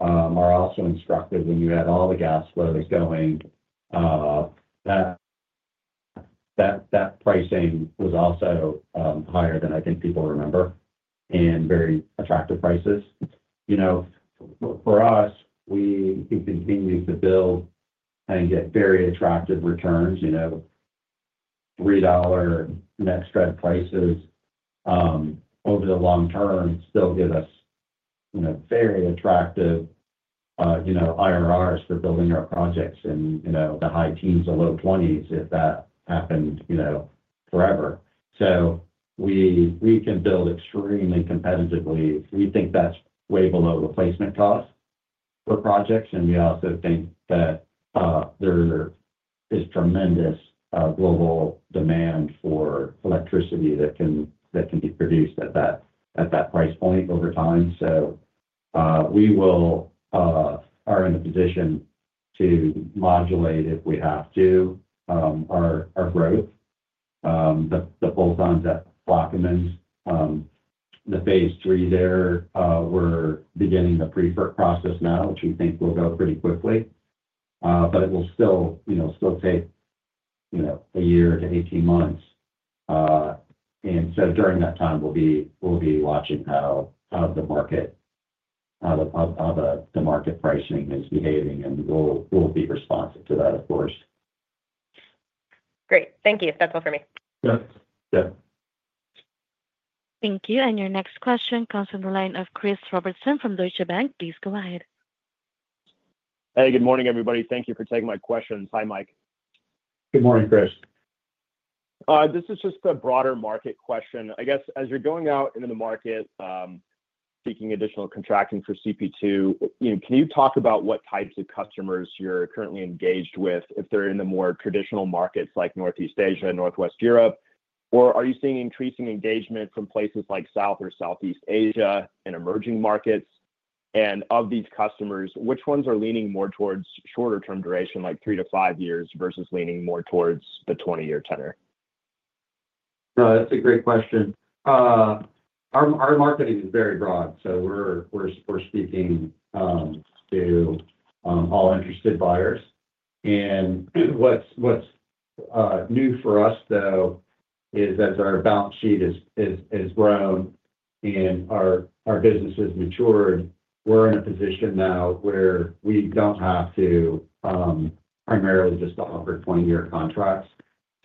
are also instructive. When you had all the gas flows going, that pricing was also higher than I think people remember and very attractive prices. For us, we can continue to build and get very attractive returns. $3 net spread prices over the long term still give us very attractive IRRs for building our projects and the high teens to low 20s if that happened forever. So we can build extremely competitively. We think that's way below replacement costs for projects. And we also think that there is tremendous global demand for electricity that can be produced at that price point over time. So we are in a position to modulate if we have to our growth. The bolt-ons at Plaquemines' Phase Three there, we're beginning the pre-FID process now, which we think will go pretty quickly. But it will still take a year to 18 months. And so during that time, we'll be watching how the market pricing is behaving, and we'll be responsive to that, of course. Great. Thank you. That's all for me. Yep. Yep. Thank you. And your next question comes from the line of Chris Robertson from Deutsche Bank. Please go ahead. Hey, good morning, everybody. Thank you for taking my questions. Hi, Mike. Good morning, Chris. This is just a broader market question. I guess as you're going out into the market, seeking additional contracting for CP2, can you talk about what types of customers you're currently engaged with if they're in the more traditional markets like Northeast Asia, Northwest Europe? Or are you seeing increasing engagement from places like South or Southeast Asia and emerging markets? And of these customers, which ones are leaning more towards shorter-term duration, like three to five years versus leaning more towards the 20-year tenor? No, that's a great question. Our marketing is very broad. So we're speaking to all interested buyers. And what's new for us, though, is as our balance sheet has grown and our business has matured, we're in a position now where we don't have to primarily just offer 20-year contracts.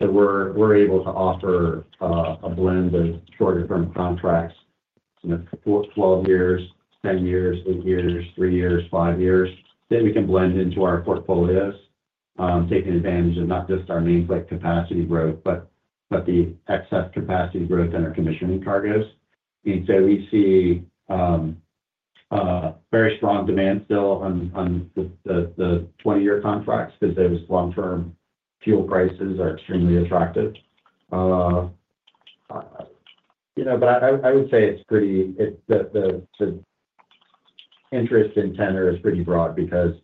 So we're able to offer a blend of shorter-term contracts: 12 years, 10 years, eight years, three years, five years. Then we can blend into our portfolios, taking advantage of not just our nameplate capacity growth, but the excess capacity growth in our commissioning cargoes. And so we see very strong demand still on the 20-year contracts because those long-term fuel prices are extremely attractive. But I would say it's pretty, the interest in tenor is pretty broad because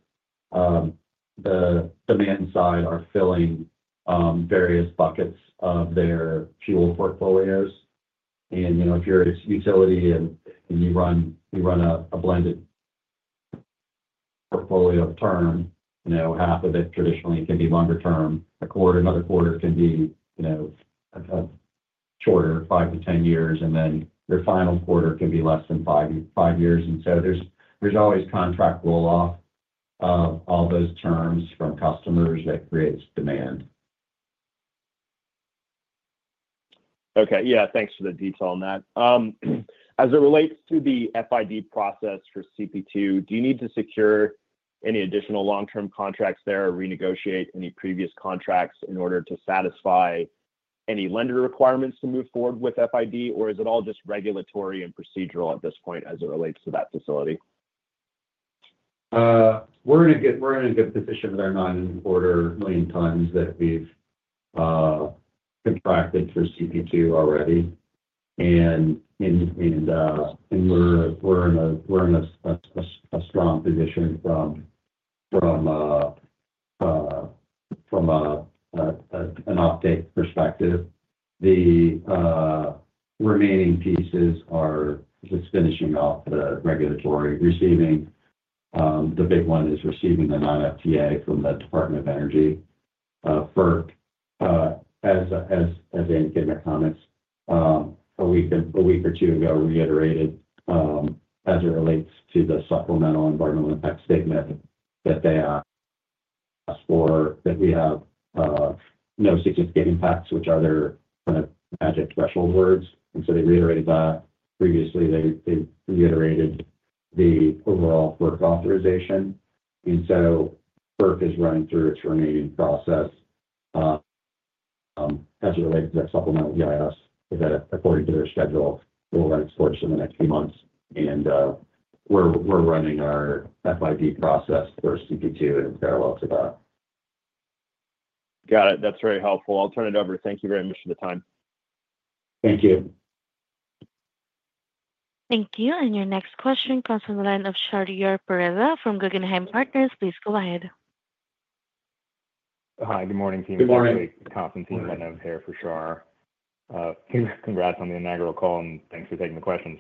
the demand side are filling various buckets of their fuel portfolios. And if you're a utility and you run a blended portfolio of term, half of it traditionally can be longer term. Another quarter can be shorter, five to 10 years. And then your final quarter can be less than five years. And so there's always contract roll-off of all those terms from customers that creates demand. Okay. Yeah. Thanks for the detail on that. As it relates to the FID process for CP2, do you need to secure any additional long-term contracts there or renegotiate any previous contracts in order to satisfy any lender requirements to move forward with FID? Or is it all just regulatory and procedural at this point as it relates to that facility? We're in a good position with our 9.25 million tons that we've contracted for CP2 already. We're in a strong position from an update perspective. The remaining pieces are just finishing off the regulatory. The big one is receiving the FTA from the Department of Energy. FERC, as Anne gave my comments, a week or two ago reiterated as it relates to the Supplemental Environmental Impact Statement that they asked for, that we have no significant impacts, which are their kind of magic threshold words. So they reiterated that. Previously, they reiterated the overall FERC authorization. And so FERC is running through its remaining process as it relates to that supplemental EIS, according to their schedule. We'll run its course in the next few months. And we're running our FID process for CP2 in parallel to that. Got it. That's very helpful. I'll turn it over. Thank you very much for the time. Thank you. Thank you. And your next question comes from the line of Shar Pourreza from Guggenheim Partners. Please go ahead. Hi. Good morning, team Guggenheim. Good morning. Constantine Lednev here for Shar. Congrats on the inaugural call, and thanks for taking the questions.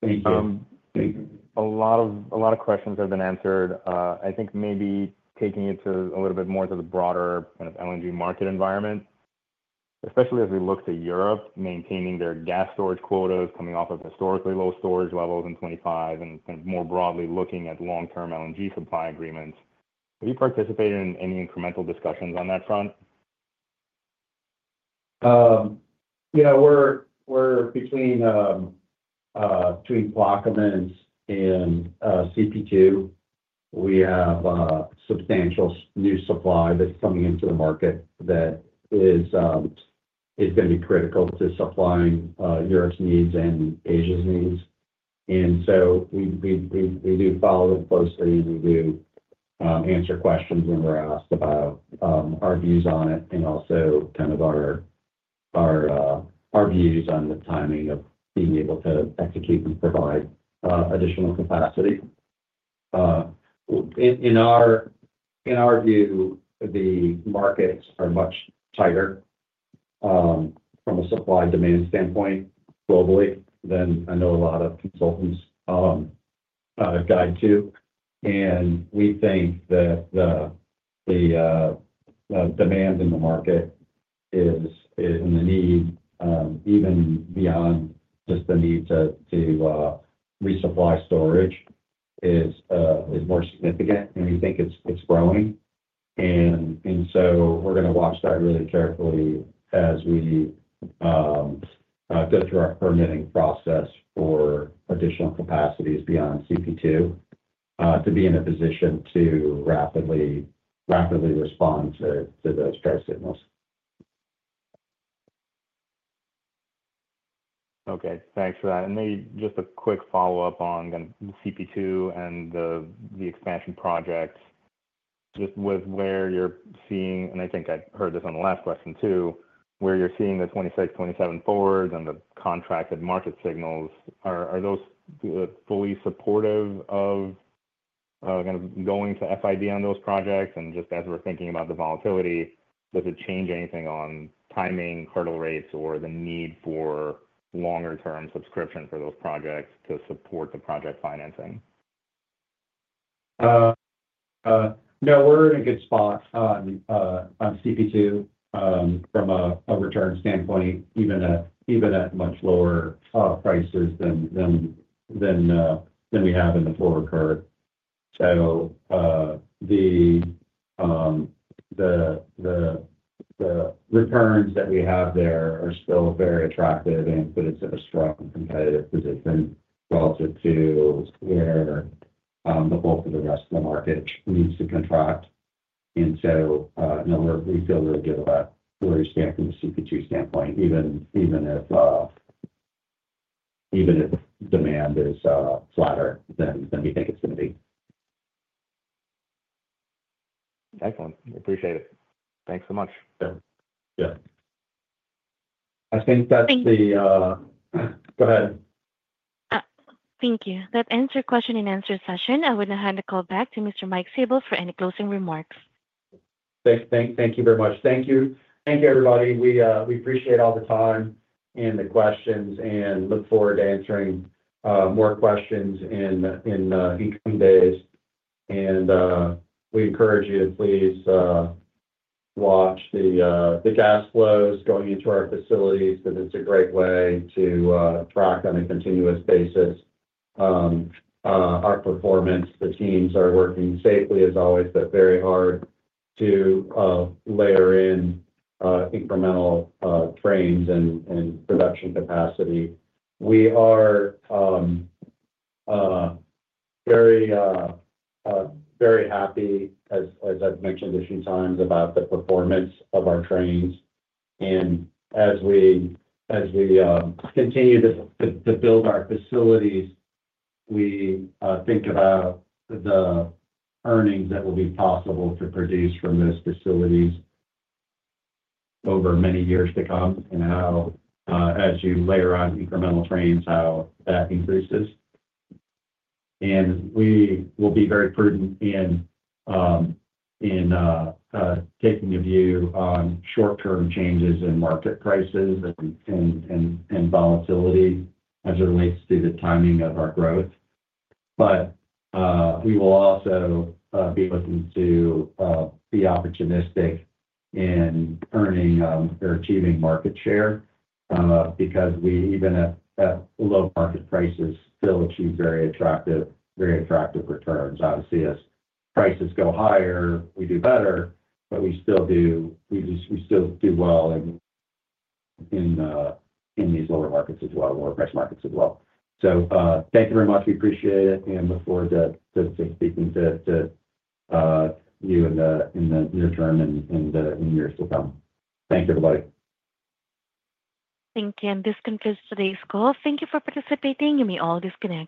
Thank you. A lot of questions have been answered. I think maybe taking it to a little bit more to the broader kind of LNG market environment, especially as we look to Europe maintaining their gas storage quotas coming off of historically low storage levels in 2025 and more broadly looking at long-term LNG supply agreements. Have you participated in any incremental discussions on that front? Yeah. We're between Plaquemines and CP2. We have substantial new supply that's coming into the market that is going to be critical to supplying Europe's needs and Asia's needs. And so we do follow it closely. We do answer questions when we're asked about our views on it and also kind of our views on the timing of being able to execute and provide additional capacity. In our view, the markets are much tighter from a supply-demand standpoint globally than I know a lot of consultants guide to. And we think that the demand in the market and the need, even beyond just the need to resupply storage, is more significant. And we think it's growing. And so we're going to watch that really carefully as we go through our permitting process for additional capacities beyond CP2 to be in a position to rapidly respond to those price signals. Okay. Thanks for that. And maybe just a quick follow-up on the CP2 and the expansion projects. Just with where you're seeing, and I think I heard this on the last question too, where you're seeing the 26, 27 forwards and the contracted market signals, are those fully supportive of kind of going to FID on those projects? And just as we're thinking about the volatility, does it change anything on timing, hurdle rates, or the need for longer-term subscription for those projects to support the project financing? No, we're in a good spot on CP2 from a return standpoint, even at much lower prices than we have in the forward curve. So the returns that we have there are still very attractive and put us in a strong competitive position relative to where the bulk of the rest of the market needs to contract. And so we feel really good about where we stand from the CP2 standpoint, even if demand is flatter than we think it's going to be. Excellent. We appreciate it. Thanks so much. Yeah. Yeah. I think that's the, go ahead. Thank you. That ends your question and answer session. I will now hand the call back to Mr. Mike Sabel for any closing remarks. Thank you very much. Thank you. Thank you, everybody. We appreciate all the time and the questions and look forward to answering more questions in the coming days. And we encourage you to please watch the gas flows going into our facilities because it's a great way to track on a continuous basis our performance. The teams are working safely as always, but very hard to layer in incremental trains and production capacity. We are very happy, as I've mentioned a few times, about the performance of our trains. And as we continue to build our facilities, we think about the earnings that will be possible to produce from those facilities over many years to come and, as you layer on incremental trains, how that increases. And we will be very prudent in taking a view on short-term changes in market prices and volatility as it relates to the timing of our growth. But we will also be looking to be opportunistic in earning or achieving market share because we, even at low market prices, still achieve very attractive returns. Obviously, as prices go higher, we do better, but we still do well in these lower markets as well, lower-priced markets as well. So thank you very much. We appreciate it and look forward to speaking to you in the near term and in years to come. Thank you, everybody. Thank you. And this concludes today's call. Thank you for participating. You may all disconnect.